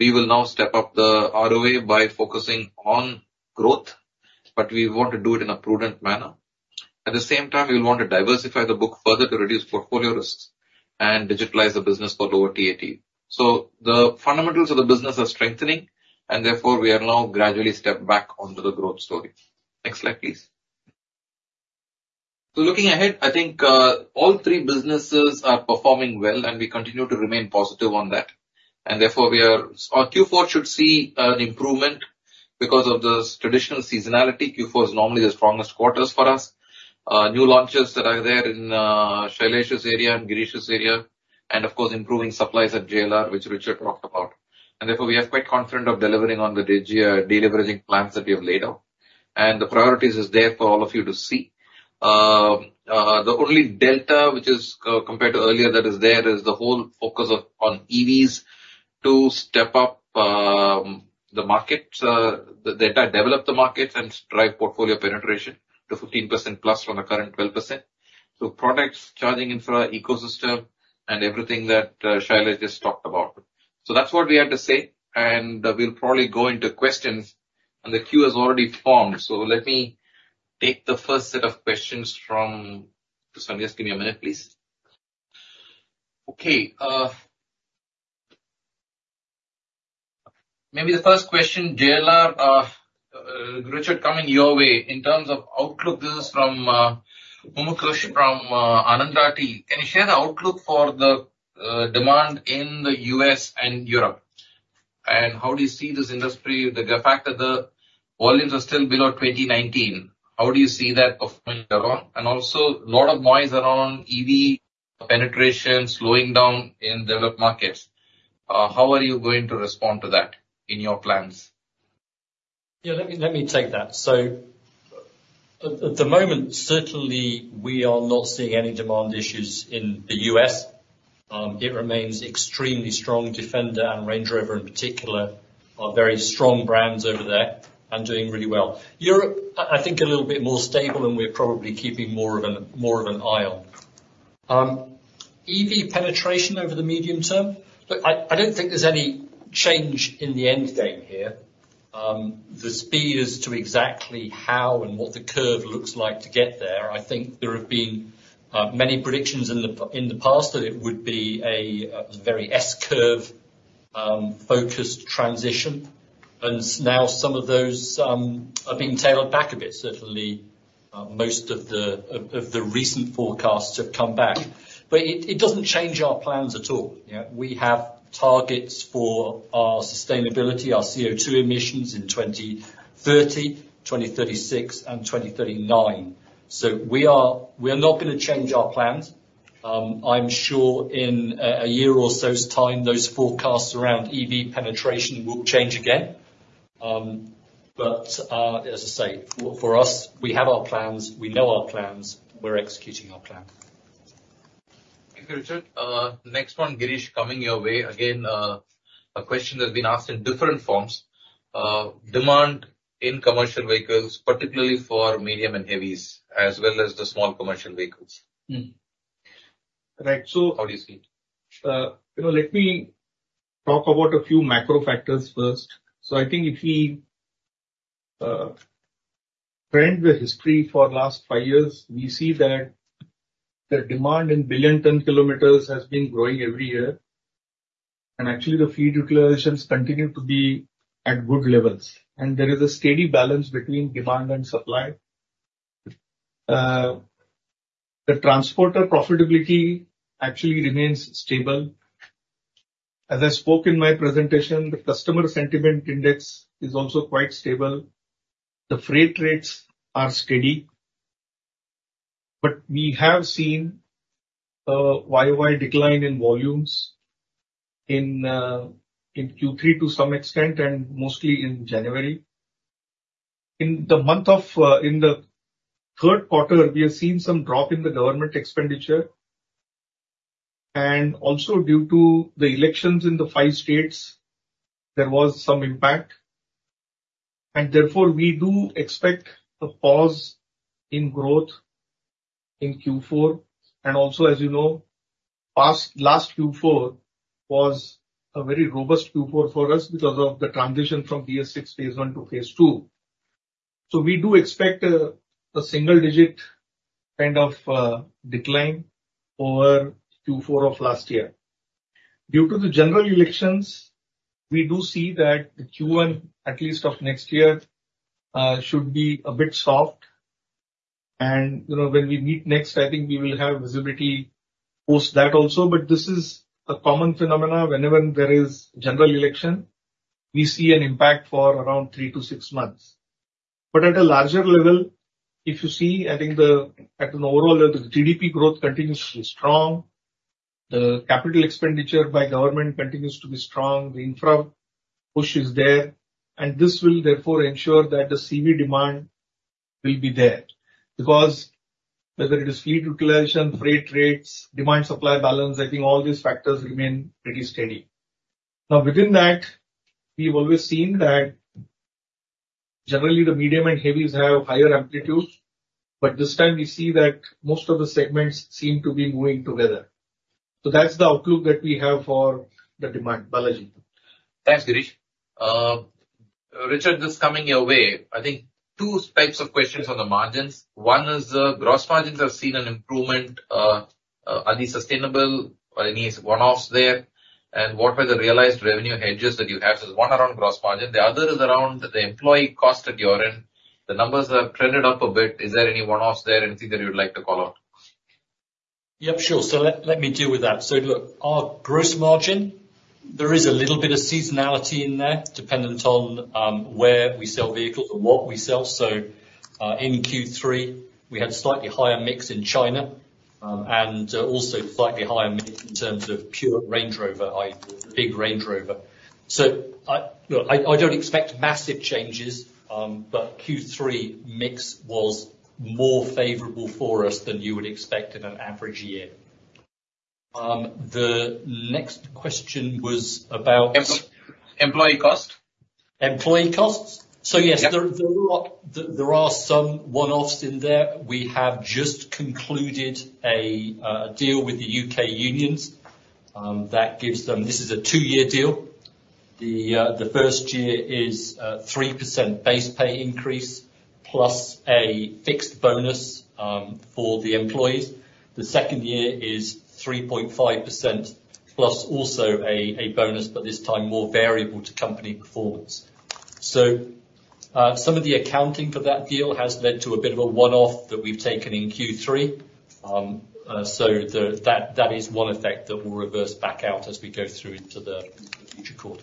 we will now step up the ROA by focusing on growth, but we want to do it in a prudent manner. At the same time, we want to diversify the book further to reduce portfolio risks and digitalize the business for lower TAT. So the fundamentals of the business are strengthening, and therefore, we are now gradually step back onto the growth story. Next slide, please. So looking ahead, I think all three businesses are performing well, and we continue to remain positive on that. Therefore, we are. Our Q4 should see an improvement because of the traditional seasonality. Q4 is normally the strongest quarters for us. New launches that are there in Shailesh's area and Girish's area, and of course, improving supplies at JLR, which Richard talked about. And therefore, we are quite confident of delivering on the deleveraging plans that we have laid out, and the priorities is there for all of you to see. The only delta which is compared to earlier that is there is the whole focus on EVs to step up the market, the data, develop the market and drive portfolio penetration to 15%+ from the current 12%. So products, charging infra, ecosystem, and everything that Shailesh just talked about. So that's what we have to say, and we'll probably go into questions, and the queue has already formed. So let me take the first set of questions from, just give me a minute, please. Okay, maybe the first question, JLR, Richard, coming your way. In terms of outlook, this is from, Mumuksh, from, Anand Rathi. Can you share the outlook for the, demand in the U.S. and Europe? And how do you see this industry, the, the fact that the volumes are still below 2019, how do you see that performing going around? And also, a lot of noise around EV penetration slowing down in developed markets. How are you going to respond to that in your plans? Yeah, let me take that. So at the moment, certainly, we are not seeing any demand issues in the U.S. It remains extremely strong. Defender and Range Rover, in particular, are very strong brands over there and doing really well. Europe, I think, is a little bit more stable, and we're probably keeping more of an eye on. EV penetration over the medium term? Look, I don't think there's any change in the end game here. The speed as to exactly how and what the curve looks like to get there, I think there have been many predictions in the past that it would be a very S-curve focused transition, and now some of those are being dialed back a bit. Certainly, most of the recent forecasts have come back. But it doesn't change our plans at all, yeah. We have targets for our sustainability, our CO2 emissions in 2030, 2036, and 2039. So we are not gonna change our plans. I'm sure in a year or so's time, those forecasts around EV penetration will change again. But as I say, for us, we have our plans, we know our plans, we're executing our plan. Thank you, Richard. Next one, Girish, coming your way. Again, a question that's been asked in different forms. Demand in commercial vehicles, particularly for medium and heavies, as well as the small commercial vehicles. How do you see it? You know, let me talk about a few macro factors first. So I think if we trend the history for last 5 years, we see that the demand in billion ton-kilometers has been growing every year, and actually, the fleet utilizations continue to be at good levels. And there is a steady balance between demand and supply. The transporter profitability actually remains stable. As I spoke in my presentation, the customer sentiment index is also quite stable. The freight rates are steady, but we have seen a YoY decline in volumes in Q3 to some extent, and mostly in January. In the third quarter, we have seen some drop in the government expenditure, and also, due to the elections in the 5 states, there was some impact, and therefore, we do expect a pause in growth in Q4. As you know, last Q4 was a very robust Q4 for us because of the transition from BS6 Phase I to Phase II. We do expect a single-digit kind of decline over Q4 of last year. Due to the general elections, we do see that the Q1, at least of next year, should be a bit soft. You know, when we meet next, I think we will have visibility post that also. This is a common phenomena. Whenever there is general election, we see an impact for around 3-6 months. But at a larger level, if you see, I think at an overall level, the GDP growth continues to be strong, the capital expenditure by government continues to be strong, the infra push is there, and this will therefore ensure that the CV demand will be there. Because whether it is fleet utilization, freight rates, demand-supply balance, I think all these factors remain pretty steady. Now, within that, we've always seen that generally the medium and heavies have higher amplitudes, but this time we see that most of the segments seem to be moving together. So that's the outlook that we have for the demand. Balaji. Thanks, Girish. Richard, this coming your way, I think two types of questions on the margins. One is the gross margins have seen an improvement. Are they sustainable or any one-offs there? And what were the realized revenue hedges that you have? So one around gross margin, the other is around the employee cost at your end. The numbers have trended up a bit. Is there any one-offs there, anything that you'd like to call out? Yep, sure. So let me deal with that. So look, our gross margin, there is a little bit of seasonality in there, dependent on where we sell vehicles and what we sell. So in Q3, we had a slightly higher mix in China, and also slightly higher mix in terms of pure Range Rover, i.e., big Range Rover. Look, I don't expect massive changes, but Q3 mix was more favorable for us than you would expect in an average year. The next question was about- Employee cost. Employee costs? So yes, there are some one-offs in there. We have just concluded a deal with the U.K. unions that gives them... This is a two-year deal. The first year is 3% base pay increase, plus a fixed bonus for the employees. The second year is 3.5%, plus also a bonus, but this time, more variable to company performance. So, some of the accounting for that deal has led to a bit of a one-off that we've taken in Q3. So that is one effect that will reverse back out as we go through into the future quarter.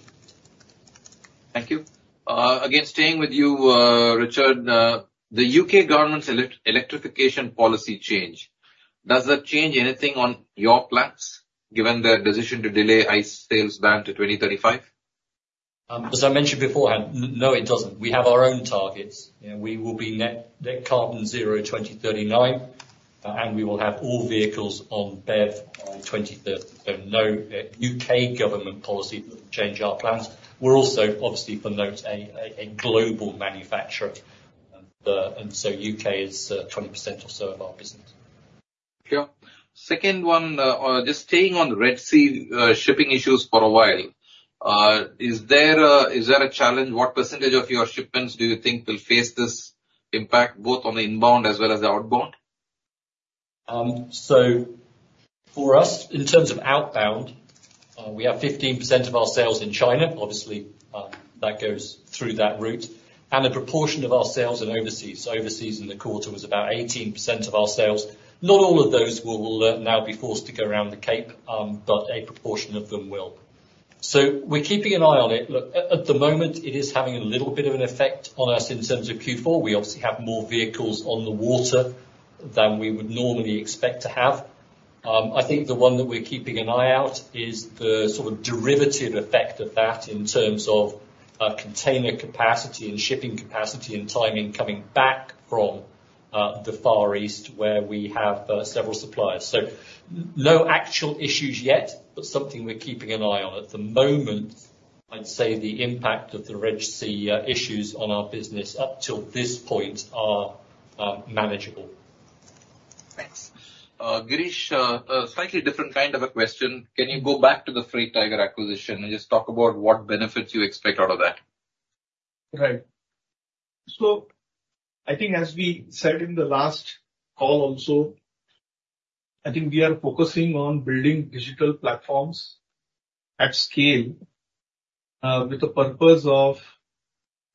Thank you. Again, staying with you, Richard, the U.K. government's electrification policy change, does that change anything on your plans, given their decision to delay ICE sales ban to 2035? As I mentioned beforehand, no, it doesn't. We have our own targets, and we will be net carbon zero 2039, and we will have all vehicles on BEV by 2030. So no, U.K. government policy will change our plans. We're also, obviously, to note, a global manufacturer, and so U.K. is 20% or so of our business. Clear. Second one, just staying on the Red Sea, shipping issues for a while, is there a, is there a challenge? What percentage of your shipments do you think will face this impact, both on the inbound as well as the outbound? So for us, in terms of outbound, we have 15% of our sales in China. Obviously, that goes through that route, and a proportion of our sales in overseas. Overseas in the quarter was about 18% of our sales. Not all of those will, now be forced to go around the Cape, but a proportion of them will. So we're keeping an eye on it. Look, at, at the moment, it is having a little bit of an effect on us in terms of Q4. We obviously have more vehicles on the water than we would normally expect to have. I think the one that we're keeping an eye out is the sort of derivative effect of that in terms of, container capacity and shipping capacity and timing coming back from, the Far East, where we have, several suppliers. So no actual issues yet, but something we're keeping an eye on. At the moment, I'd say the impact of the Red Sea issues on our business up till this point are manageable. Thanks. Girish, a slightly different kind of a question. Can you go back to the Freight Tiger acquisition and just talk about what benefits you expect out of that? Right. So I think as we said in the last call also, I think we are focusing on building digital platforms at scale, with the purpose of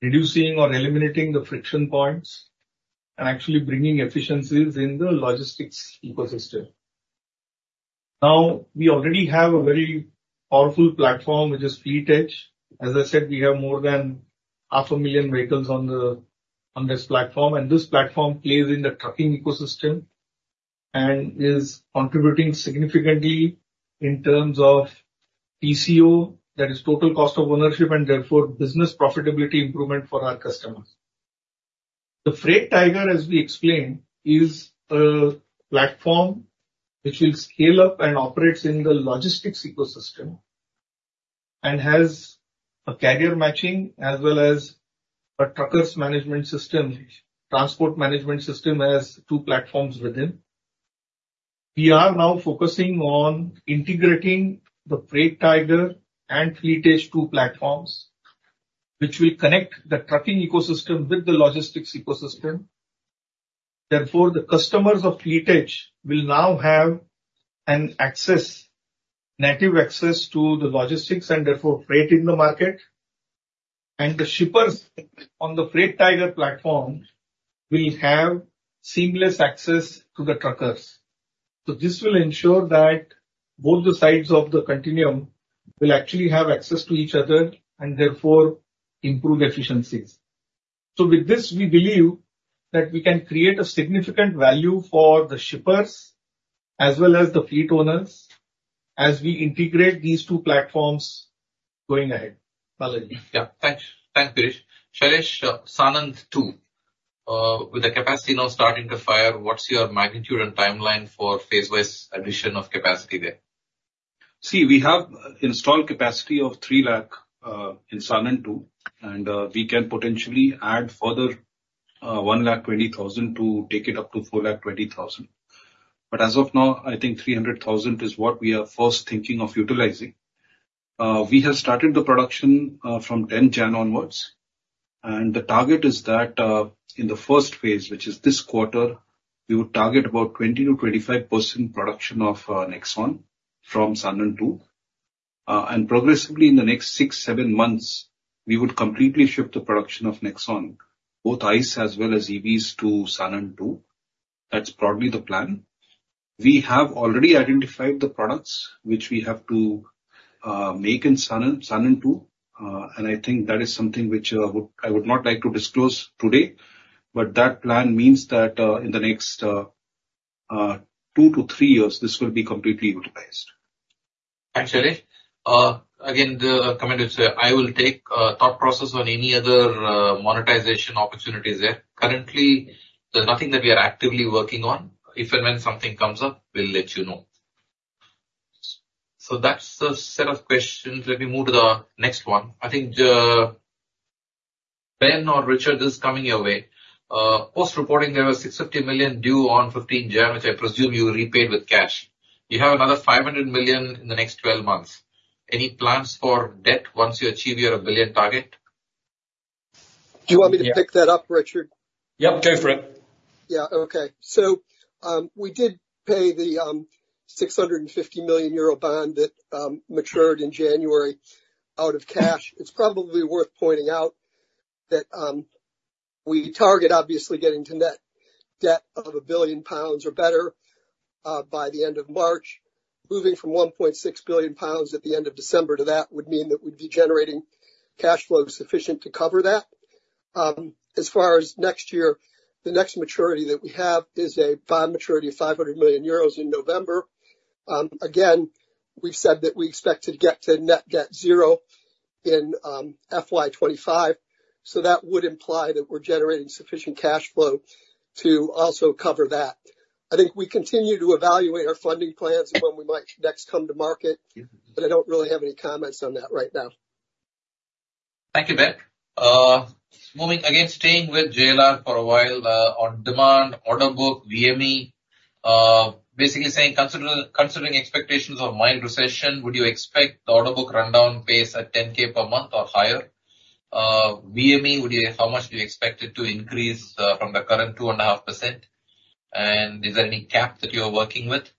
reducing or eliminating the friction points and actually bringing efficiencies in the logistics ecosystem. Now, we already have a very powerful platform, which is Fleet Edge. As I said, we have more than 500,000 vehicles on this platform, and this platform plays in the trucking ecosystem and is contributing significantly in terms of TCO, that is total cost of ownership, and therefore business profitability improvement for our customers. The Freight Tiger, as we explained, is a platform which will scale up and operates in the logistics ecosystem and has a carrier matching, as well as a truckers management system, transport management system, as two platforms within. We are now focusing on integrating the Freight Tiger and Fleet Edge, two platforms, which will connect the trucking ecosystem with the logistics ecosystem. Therefore, the customers of Fleet Edge will now have an access, native access, to the logistics and therefore freight in the market, and the shippers on the Freight Tiger platform will have seamless access to the truckers. So this will ensure that both the sides of the continuum will actually have access to each other and therefore improve efficiencies. So with this, we believe that we can create a significant value for the shippers as well as the fleet owners as we integrate these two platforms going ahead. Balaji? Yeah. Thanks. Thanks, Girish. Shailesh, Sanand 2, with the capacity now starting to fire, what's your magnitude and timeline for phase-wise addition of capacity there? See, we have installed capacity of 300,000 in Sanand 2, and we can potentially add further 120,000 to take it up to 420,000. But as of now, I think 300,000 is what we are first thinking of utilizing. We have started the production from 10 January onwards, and the target is that in the first phase, which is this quarter, we would target about 20%-25% production of Nexon from Sanand 2. And progressively, in the next 6-7 months, we would completely shift the production of Nexon, both ICE as well as EVs, to Sanand 2. That's broadly the plan. We have already identified the products which we have to make in Sanand, Sanand 2, and I think that is something which I would, I would not like to disclose today. But that plan means that in the next 2-3 years, this will be completely utilized. Thanks, Shailesh. Again, the comment is, I will take thought process on any other monetization opportunities there. Currently, there's nothing that we are actively working on. If and when something comes up, we'll let you know. So that's the set of questions. Let me move to the next one. I think, Ben or Richard, this is coming your way. Post-reporting, there was 650 million due on 15 January, which I presume you repaid with cash. You have another 500 million in the next 12 months. Any plans for debt once you achieve your 1 billion target? Do you want me to pick that up, Richard? Yep, go for it. Yeah, okay. So, we did pay the 650 million euro bond that matured in January out of cash. It's probably worth pointing out that we target, obviously, getting to net debt of 1 billion pounds or better by the end of March. Moving from 1.6 billion pounds at the end of December to that would mean that we'd be generating cash flow sufficient to cover that. As far as next year, the next maturity that we have is a bond maturity of 500 million euros in November. Again, we've said that we expect to get to net debt zero in FY 2025, so that would imply that we're generating sufficient cash flow to also cover that. I think we continue to evaluate our funding plans and when we might next come to market, but I don't really have any comments on that right now. Thank you, Ben. Moving again, staying with JLR for a while, on demand, order book, VME. Basically saying, considering expectations of mild recession, would you expect the order book rundown pace at 10K per month or higher? VME, how much do you expect it to increase from the current 2.5%? And is there any cap that you are working with?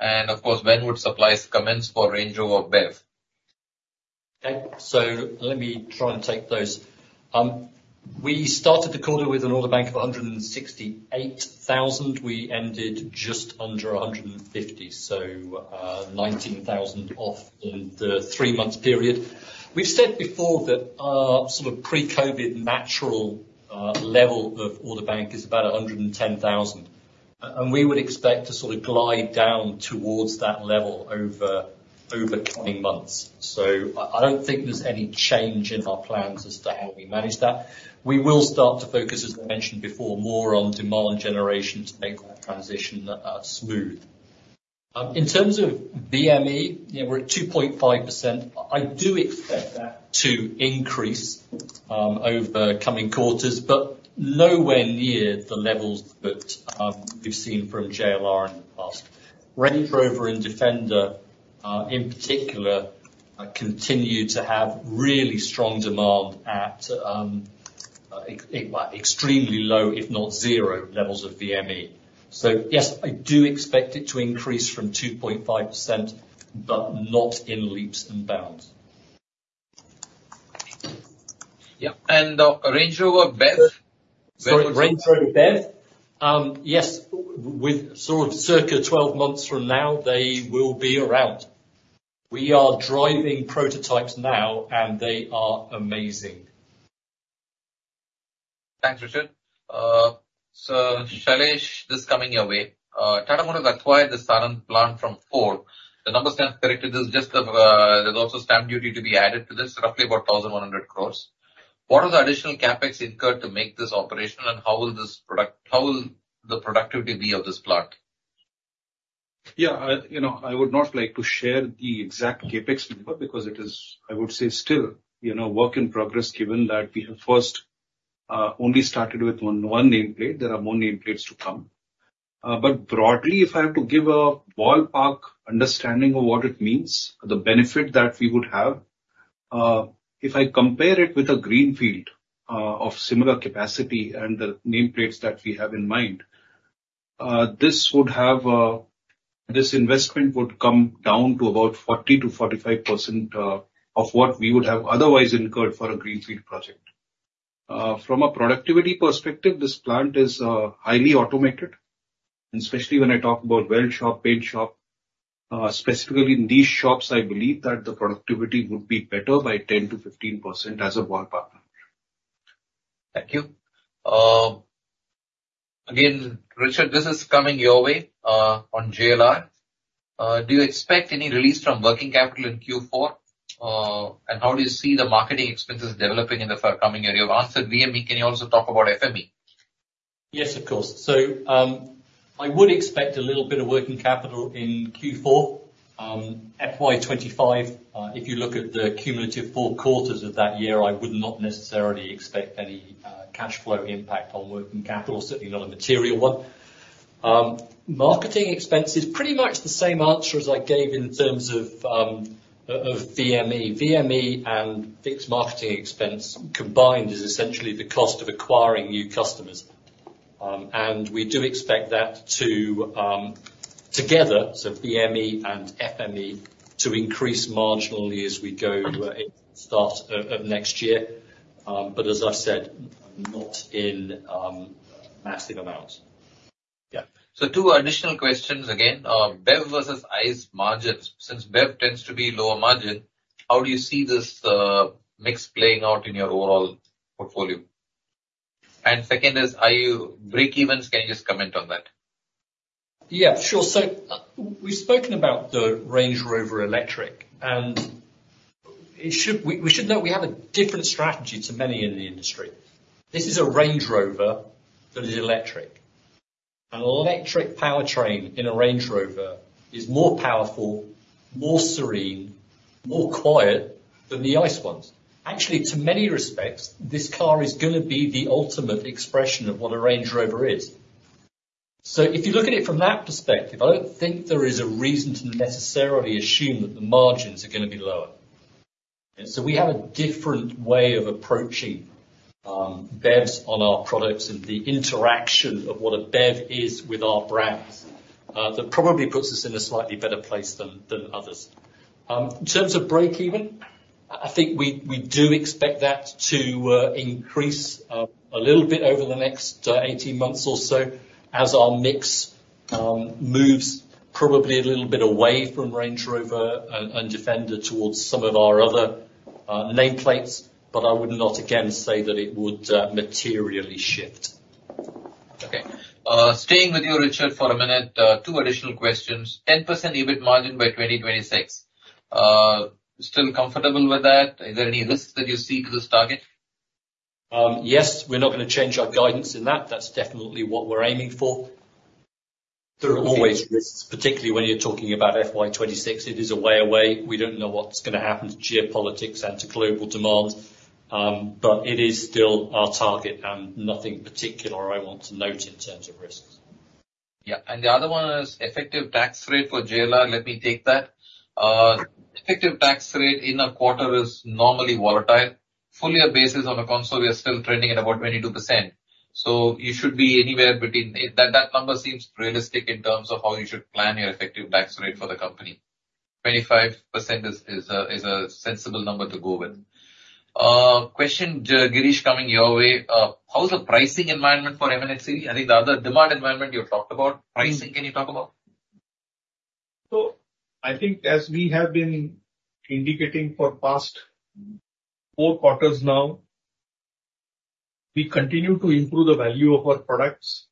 And, of course, when would supplies commence for Range Rover BEV? Okay, so let me try and take those. We started the quarter with an order bank of 168,000. We ended just under 150, so 19,000 off in the three-month period. We've said before that our sort of pre-COVID natural level of order bank is about 110,000, and we would expect to sort of glide down towards that level over coming months. So I don't think there's any change in our plans as to how we manage that. We will start to focus, as I mentioned before, more on demand generation to make that transition smooth. In terms of VME, yeah, we're at 2.5%. I do expect that to increase over coming quarters, but nowhere near the levels that we've seen from JLR in the past. Range Rover and Defender, in particular, continue to have really strong demand at extremely low, if not zero, levels of VME. So yes, I do expect it to increase from 2.5%, but not in leaps and bounds. Yeah, and, Range Rover BEV? Sorry, Range Rover BEV, yes, with sort of circa 12 months from now, they will be around. We are driving prototypes now, and they are amazing. Thanks, Richard. So Shailesh, this coming your way. Tata Motors acquired the Sanand plant from Ford. The numbers have corrected, there's just, there's also stamp duty to be added to this, roughly about 1,100 crore. What are the additional CapEx incurred to make this operational, and how will this product- how will the productivity be of this plant? Yeah, you know, I would not like to share the exact CapEx number because it is, I would say, still, you know, work in progress, given that we have first only started with one nameplate. There are more nameplates to come. But broadly, if I have to give a ballpark understanding of what it means, the benefit that we would have, if I compare it with a greenfield of similar capacity and the nameplates that we have in mind, this investment would come down to about 40%-45% of what we would have otherwise incurred for a greenfield project. From a productivity perspective, this plant is highly automated, and especially when I talk about weld shop, paint shop, specifically in these shops, I believe that the productivity would be better by 10%-15% as a ballpark number. Thank you. Again, Richard, this is coming your way, on JLR. Do you expect any release from working capital in Q4? And how do you see the marketing expenses developing in the forthcoming area? You've answered VME, can you also talk about FME? Yes, of course. So, I would expect a little bit of working capital in Q4. FY 2025, if you look at the cumulative four quarters of that year, I would not necessarily expect any, cash flow impact on working capital, certainly not a material one. Marketing expenses, pretty much the same answer as I gave in terms of, VME. VME and fixed marketing expense combined is essentially the cost of acquiring new customers. And we do expect that to, together, so VME and FME, to increase marginally as we go into the start of, of next year. But as I've said, not in, massive amounts. Yeah. So two additional questions again. BEV versus ICE margins. Since BEV tends to be lower margin, how do you see this mix playing out in your overall portfolio? And second is, are you breakevens? Can you just comment on that? Yeah, sure. So, we've spoken about the Range Rover Electric, and it should—we should note, we have a different strategy to many in the industry. This is a Range Rover that is electric. An electric powertrain in a Range Rover is more powerful, more serene, more quiet than the ICE ones. Actually, in many respects, this car is gonna be the ultimate expression of what a Range Rover is. So if you look at it from that perspective, I don't think there is a reason to necessarily assume that the margins are gonna be lower. And so we have a different way of approaching BEVs on our products and the interaction of what a BEV is with our brands, that probably puts us in a slightly better place than others. In terms of breakeven, I think we do expect that to increase a little bit over the next 18 months or so as our mix moves probably a little bit away from Range Rover and Defender towards some of our other nameplates, but I would not, again, say that it would materially shift. Okay. Staying with you, Richard, for a minute, two additional questions. 10% EBIT margin by 2026. Still comfortable with that? Are there any risks that you see to this target? Yes. We're not gonna change our guidance in that. That's definitely what we're aiming for. There are always risks, particularly when you're talking about FY 2026. It is a way away. We don't know what's gonna happen to geopolitics and to global demand, but it is still our target and nothing particular I want to note in terms of risks. Yeah, and the other one is effective tax rate for JLR. Let me take that. Effective tax rate in a quarter is normally volatile. Full year basis on a consolidated, we are still trending at about 22%, so you should be anywhere between, that number seems realistic in terms of how you should plan your effective tax rate for the company. 25% is, is a, is a sensible number to go with. Question, Girish, coming your way. How's the pricing environment for M&HCV? I think the other demand environment you have talked about. Pricing, can you talk about? So I think as we have been indicating for past four quarters now, we continue to improve the value of our products.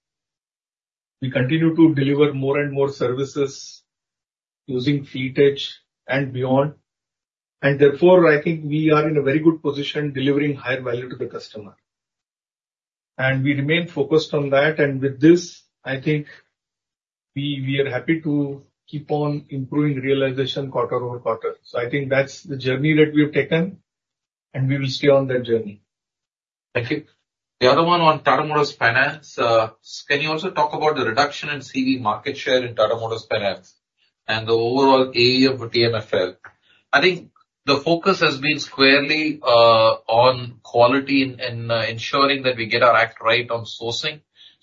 We continue to deliver more and more services using Fleet Edge and beyond, and therefore, I think we are in a very good position, delivering higher value to the customer. And we remain focused on that, and with this, I think we, we are happy to keep on improving realization quarter-over-quarter. So I think that's the journey that we have taken, and we will stay on that journey. Thank you. The other one on Tata Motors Finance, can you also talk about the reduction in CV market share in Tata Motors Finance and the overall AUM for TMFL? I think the focus has been squarely on quality and ensuring that we get our act right on sourcing.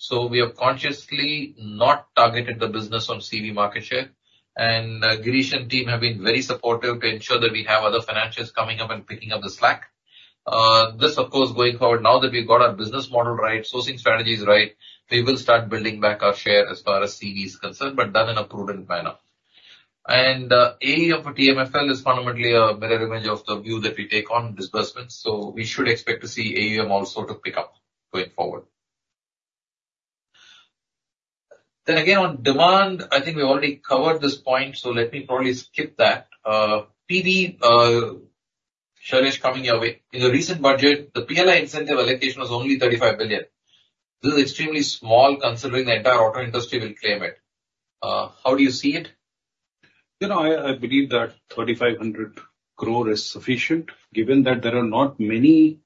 So we have consciously not targeted the business on CV market share, and Girish and team have been very supportive to ensure that we have other financials coming up and picking up the slack. This, of course, going forward, now that we've got our business model right, sourcing strategies right, we will start building back our share as far as CV is concerned, but done in a prudent manner. AUM for TMFL is fundamentally a better image of the view that we take on disbursements, so we should expect to see AUM also to pick up going forward. Then again, on demand, I think we've already covered this point, so let me probably skip that. PV, Shailesh, coming your way. In the recent budget, the PLI incentive allocation was only 35 billion. This is extremely small, considering the entire auto industry will claim it. How do you see it? You know, I believe that 3,500 crore is sufficient, given that there are not many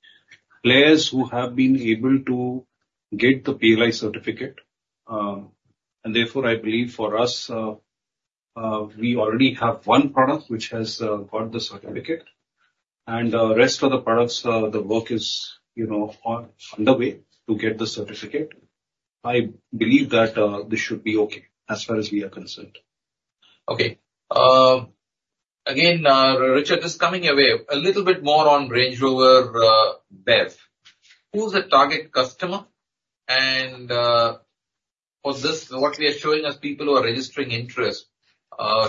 players who have been able to get the PLI certificate. Therefore, I believe for us, we already have one product which has got the certificate, and the rest of the products, the work is, you know, on the way to get the certificate. I believe that this should be okay, as far as we are concerned. Okay. Again, Richard, this coming your way. A little bit more on Range Rover BEV. Who's the target customer, and, was this what we are showing as people who are registering interest,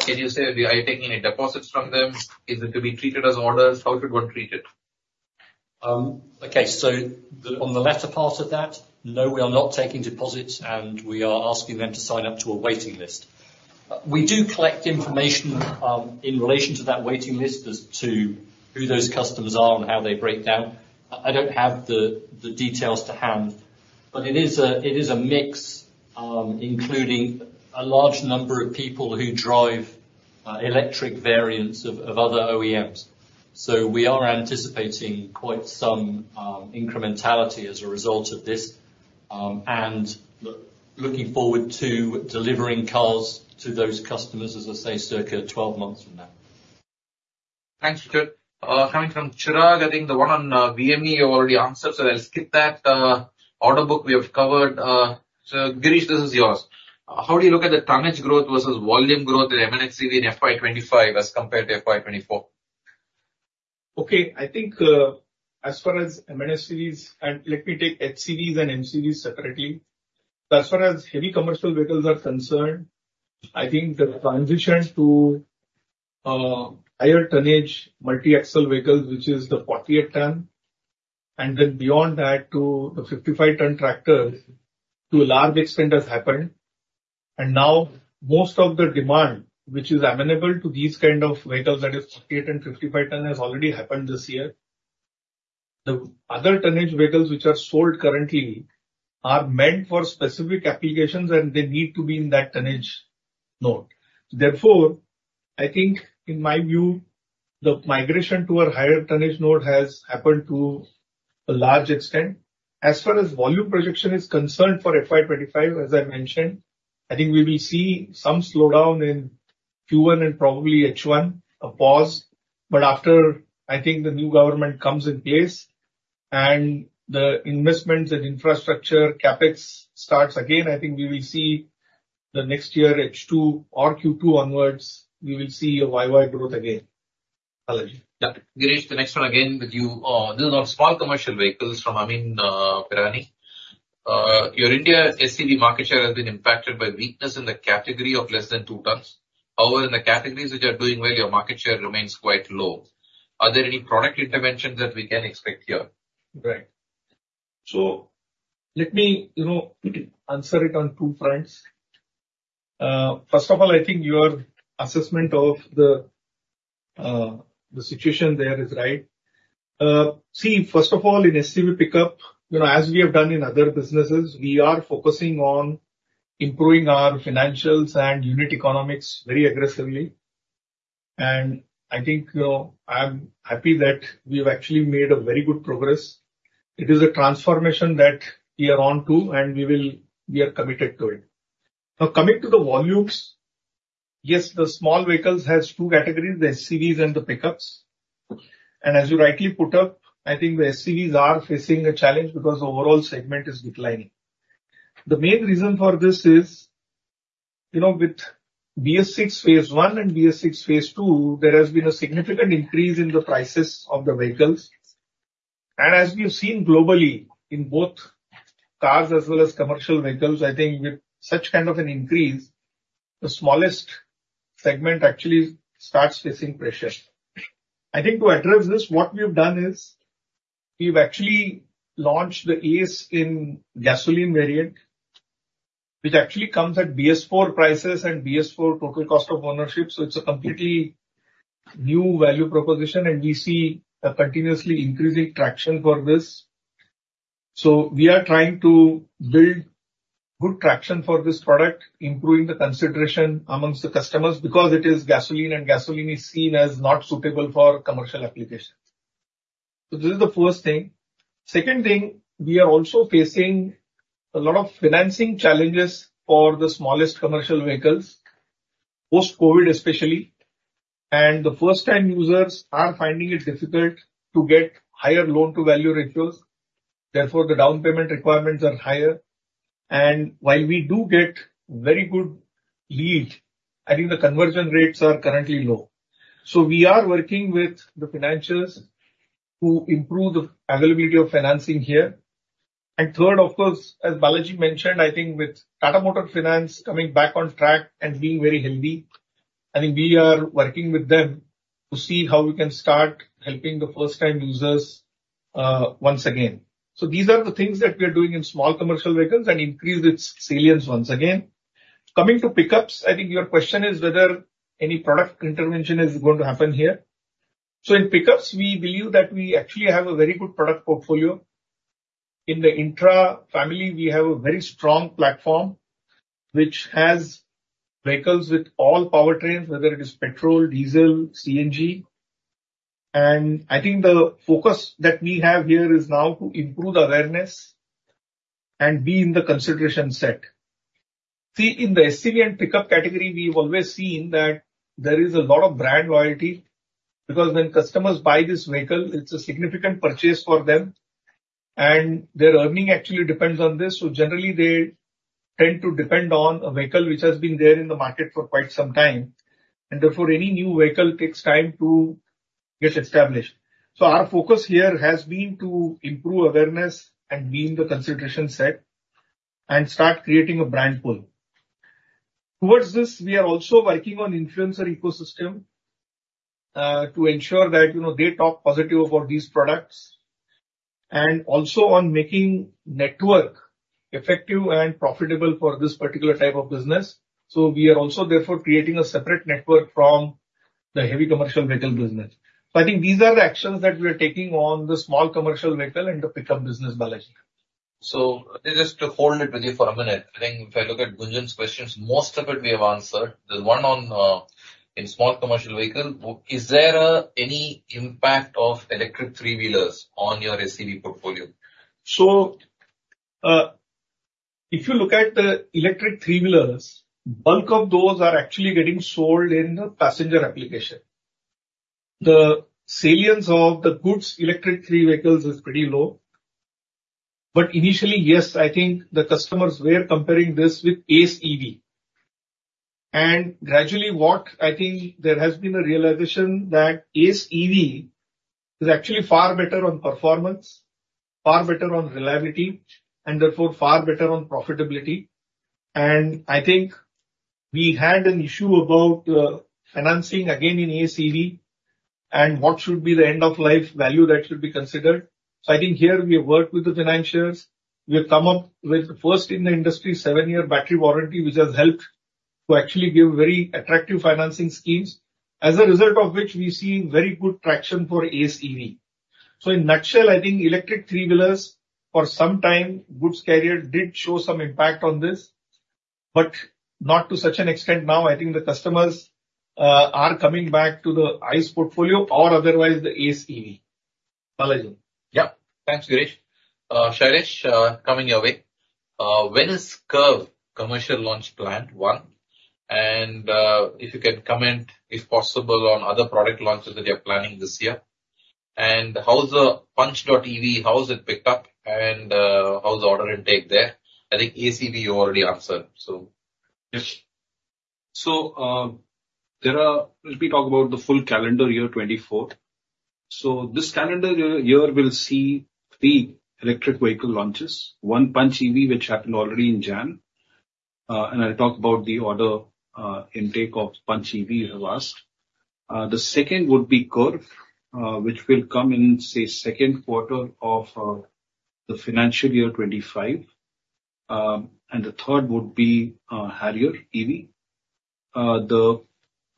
can you say, are you taking any deposits from them? Is it to be treated as orders? How should one treat it? Okay, so on the latter part of that, no, we are not taking deposits, and we are asking them to sign up to a waiting list. We do collect information in relation to that waiting list as to who those customers are and how they break down. I don't have the details to hand, but it is a mix, including a large number of people who drive electric variants of other OEMs. So we are anticipating quite some incrementality as a result of this, and looking forward to delivering cars to those customers, as I say, circa 12 months from now. Thanks, Richard. Coming from Chirag, I think the one on, VME, you already answered, so I'll skip that. Order book, we have covered. So Girish, this is yours. How do you look at the tonnage growth versus volume growth in M&HCV in FY 2025 as compared to FY 2024? Okay, I think, as far as M&HCV is, and let me take HCVs and MCVs separately. As far as heavy commercial vehicles are concerned, I think the transition to higher tonnage multi-axle vehicles, which is the 48-ton, and then beyond that to the 55-ton tractors, to a large extent has happened. And now, most of the demand, which is amenable to these kind of vehicles, that is 48-ton and 55-ton, has already happened this year. The other tonnage vehicles which are sold currently are meant for specific applications, and they need to be in that tonnage node. Therefore, I think, in my view, the migration to a higher tonnage node has happened to a large extent. As far as volume projection is concerned for FY 2025, as I mentioned, I think we will see some slowdown in Q1 and probably H1, a pause. But after, I think, the new government comes in place and the investments and infrastructure CapEx starts again, I think we will see the next year, H2 or Q2 onwards, we will see a YoY growth again. Hello, Girish, the next one again with you, this is on small commercial vehicles from Amyn Pirani. Your India SCV market share has been impacted by weakness in the category of less than two tons. However, in the categories which are doing well, your market share remains quite low. Are there any product interventions that we can expect here? Right. So let me, you know, answer it on two fronts. First of all, I think your assessment of the, the situation there is right. See, first of all, in SCV pickup, you know, as we have done in other businesses, we are focusing on improving our financials and unit economics very aggressively. And I think, you know, I'm happy that we've actually made a very good progress. It is a transformation that we are on to, and we will, we are committed to it. Now, coming to the volumes, yes, the small vehicles has two categories, the SCVs and the pickups. And as you rightly put up, I think the SCVs are facing a challenge because the overall segment is declining. The main reason for this is, you know, with BS6 Phase I and BS6 Phase II, there has been a significant increase in the prices of the vehicles. As we have seen globally, in both cars as well as commercial vehicles, I think with such kind of an increase, the smallest segment actually starts facing pressures. I think to address this, what we have done is, we've actually launched the Ace in gasoline variant, which actually comes at BS4 prices and BS4 total cost of ownership. So it's a completely new value proposition, and we see a continuously increasing traction for this. So we are trying to build good traction for this product, improving the consideration amongst the customers, because it is gasoline, and gasoline is seen as not suitable for commercial applications. So this is the first thing. Second thing, we are also facing a lot of financing challenges for the smallest commercial vehicles, post-COVID, especially, and the first-time users are finding it difficult to get higher loan-to-value ratios. Therefore, the down payment requirements are higher. And while we do get very good lead, I think the conversion rates are currently low. So we are working with the financials to improve the availability of financing here. And third, of course, as Balaji mentioned, I think with Tata Motors Finance coming back on track and being very healthy, I think we are working with them to see how we can start helping the first-time users, once again. So these are the things that we are doing in small commercial vehicles and increase its salience once again. Coming to pickups, I think your question is whether any product intervention is going to happen here. So in pickups, we believe that we actually have a very good product portfolio. In the Intra family, we have a very strong platform, which has vehicles with all powertrains, whether it is petrol, diesel, CNG. I think the focus that we have here is now to improve the awareness and be in the consideration set. See, in the SCV and pickup category, we've always seen that there is a lot of brand loyalty, because when customers buy this vehicle, it's a significant purchase for them, and their earning actually depends on this. Generally, they tend to depend on a vehicle which has been there in the market for quite some time, and therefore, any new vehicle takes time to get established. Our focus here has been to improve awareness and be in the consideration set and start creating a brand pull. Towards this, we are also working on influencer ecosystem, to ensure that, you know, they talk positive about these products, and also on making network effective and profitable for this particular type of business. So we are also therefore creating a separate network from the heavy commercial vehicle business. So I think these are the actions that we are taking on the small commercial vehicle and the pickup business, Balaji. Let me just hold it with you for a minute. I think if I look at Gunjan's questions, most of it we have answered. The one on, in small commercial vehicle, is there any impact of electric three-wheelers on your SCV portfolio? So, if you look at the electric three-wheelers, bulk of those are actually getting sold in the passenger application. The salience of the goods electric three-wheelers is pretty low, but initially, yes, I think the customers were comparing this with Ace EV. And gradually, what I think there has been a realization that Ace EV is actually far better on performance, far better on reliability, and therefore far better on profitability. And I think we had an issue about, financing again in Ace EV and what should be the end-of-life value that should be considered. So I think here we have worked with the financiers. We have come up with, first in the industry, 7-year battery warranty, which has helped to actually give very attractive financing schemes, as a result of which we've seen very good traction for Ace EV. So, in a nutshell, I think electric three-wheelers for some time, goods carrier did show some impact on this, but not to such an extent now. I think the customers are coming back to the ICE portfolio or otherwise the Ace EV. Balaji? Yeah. Thanks, Girish. Shailesh, coming your way. When is Curvv commercial launch planned, one? And, if you can comment, if possible, on other product launches that you're planning this year. And how's the Punch.ev, how has it picked up, and, how's the order intake there? I think Ace EV, you already answered. Yes. So, there are, let me talk about the full calendar year 2024. So this calendar year will see three electric vehicle launches, one Punch EV, which happened already in January. And I'll talk about the order intake of Punch EV last. The second would be Curvv, which will come in, say, second quarter of the financial year 2025. And the third would be Harrier EV. The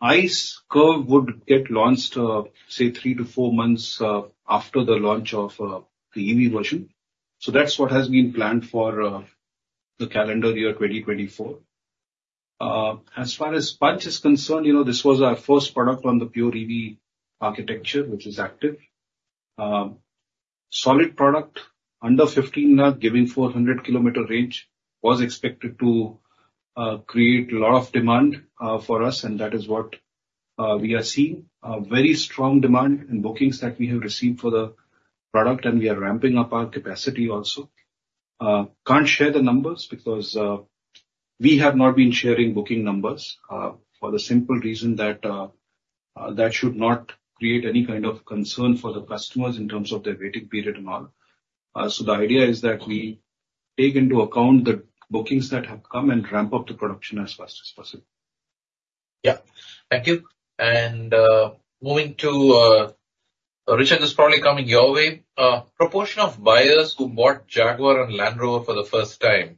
ICE Curvv would get launched, say, 3-4 months after the launch of the EV version. So that's what has been planned for the calendar year 2024. As far as Punch is concerned, you know, this was our first product on the Pure EV architecture, which is acti.ev. Solid product under 15 lakh, giving 400 km range, was expected to create a lot of demand for us, and that is what we are seeing. A very strong demand in bookings that we have received for the product, and we are ramping up our capacity also. Can't share the numbers because we have not been sharing booking numbers for the simple reason that should not create any kind of concern for the customers in terms of their waiting period and all. So the idea is that we take into account the bookings that have come and ramp up the production as fast as possible. Yeah. Thank you. And, moving to, Richard, this is probably coming your way. Proportion of buyers who bought Jaguar and Land Rover for the first time,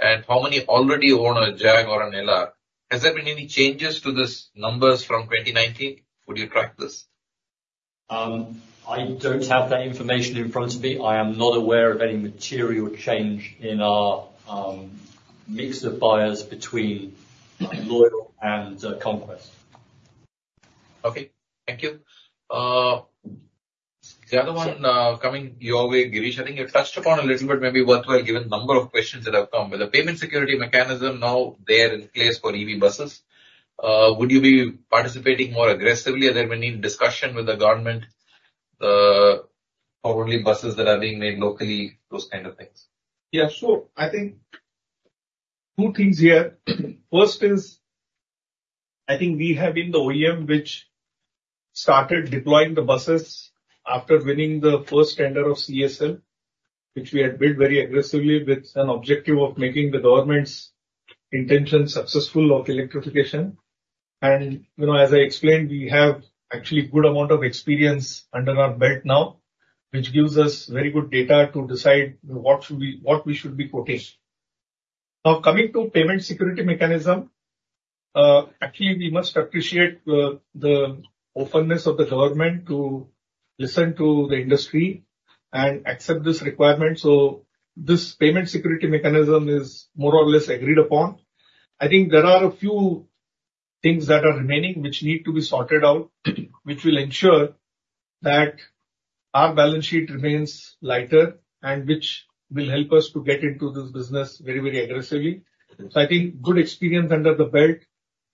and how many already own a Jaguar or an LR? Has there been any changes to these numbers from 2019, would you track this? I don't have that information in front of me. I am not aware of any material change in our mix of buyers between loyal and conquest. Okay, thank you. The other one coming your way, Girish, I think you've touched upon a little bit, maybe worthwhile, given the number of questions that have come. With the payment security mechanism now there in place for EV buses, would you be participating more aggressively? Are there any discussion with the government for only buses that are being made locally, those kind of things? Yeah. So I think two things here. First is, I think we have been the OEM which started deploying the buses after winning the first tender of CESL, which we had bid very aggressively with an objective of making the government's intention successful of electrification. And, you know, as I explained, we have actually good amount of experience under our belt now, which gives us very good data to decide what we should be quoting. Now, coming to payment security mechanism, actually, we must appreciate the openness of the government to listen to the industry and accept this requirement. So this payment security mechanism is more or less agreed upon. I think there are a few things that are remaining, which need to be sorted out, which will ensure that our balance sheet remains lighter and which will help us to get into this business very, very aggressively. So I think good experience under the belt,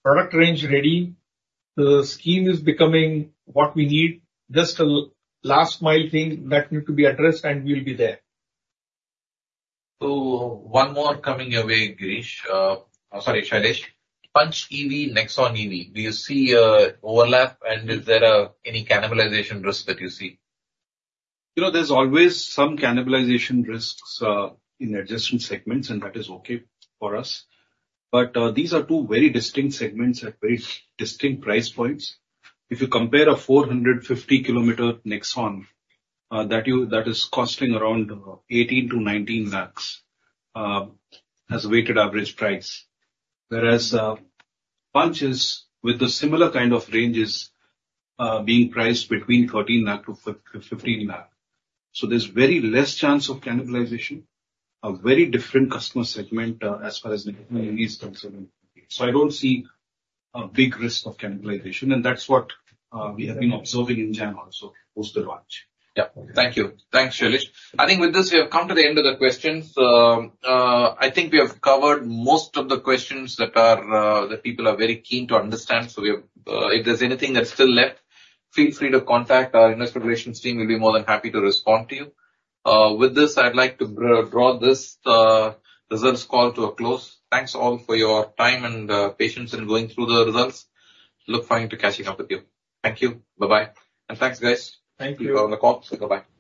product range ready, the scheme is becoming what we need. Just a last mile thing that need to be addressed, and we'll be there. One more coming your way, Girish. Sorry, Shailesh. Punch EV, Nexon EV, do you see a overlap, and is there any cannibalization risk that you see? You know, there's always some cannibalization risks in adjacent segments, and that is okay for us. But these are two very distinct segments at very distinct price points. If you compare a 450 km Nexon that is costing around 18 lakh-19 lakh as a weighted average price. Whereas Punch is with a similar kind of ranges being priced between 13 lakh-15 lakh. So there's very less chance of cannibalization, a very different customer segment as far as Nexon is concerned. So I don't see a big risk of cannibalization, and that's what we have been observing in January also, post the launch. Yeah. Thank you. Thanks, Shailesh. I think with this, we have come to the end of the questions. I think we have covered most of the questions that are, that people are very keen to understand. So we have, if there's anything that's still left, feel free to contact our investor relations team, we'll be more than happy to respond to you. With this, I'd like to draw this results call to a close. Thanks, all, for your time and, patience in going through the results. Look forward to catching up with you. Thank you. Bye-bye. And thanks, guys who are on the call. So bye-bye.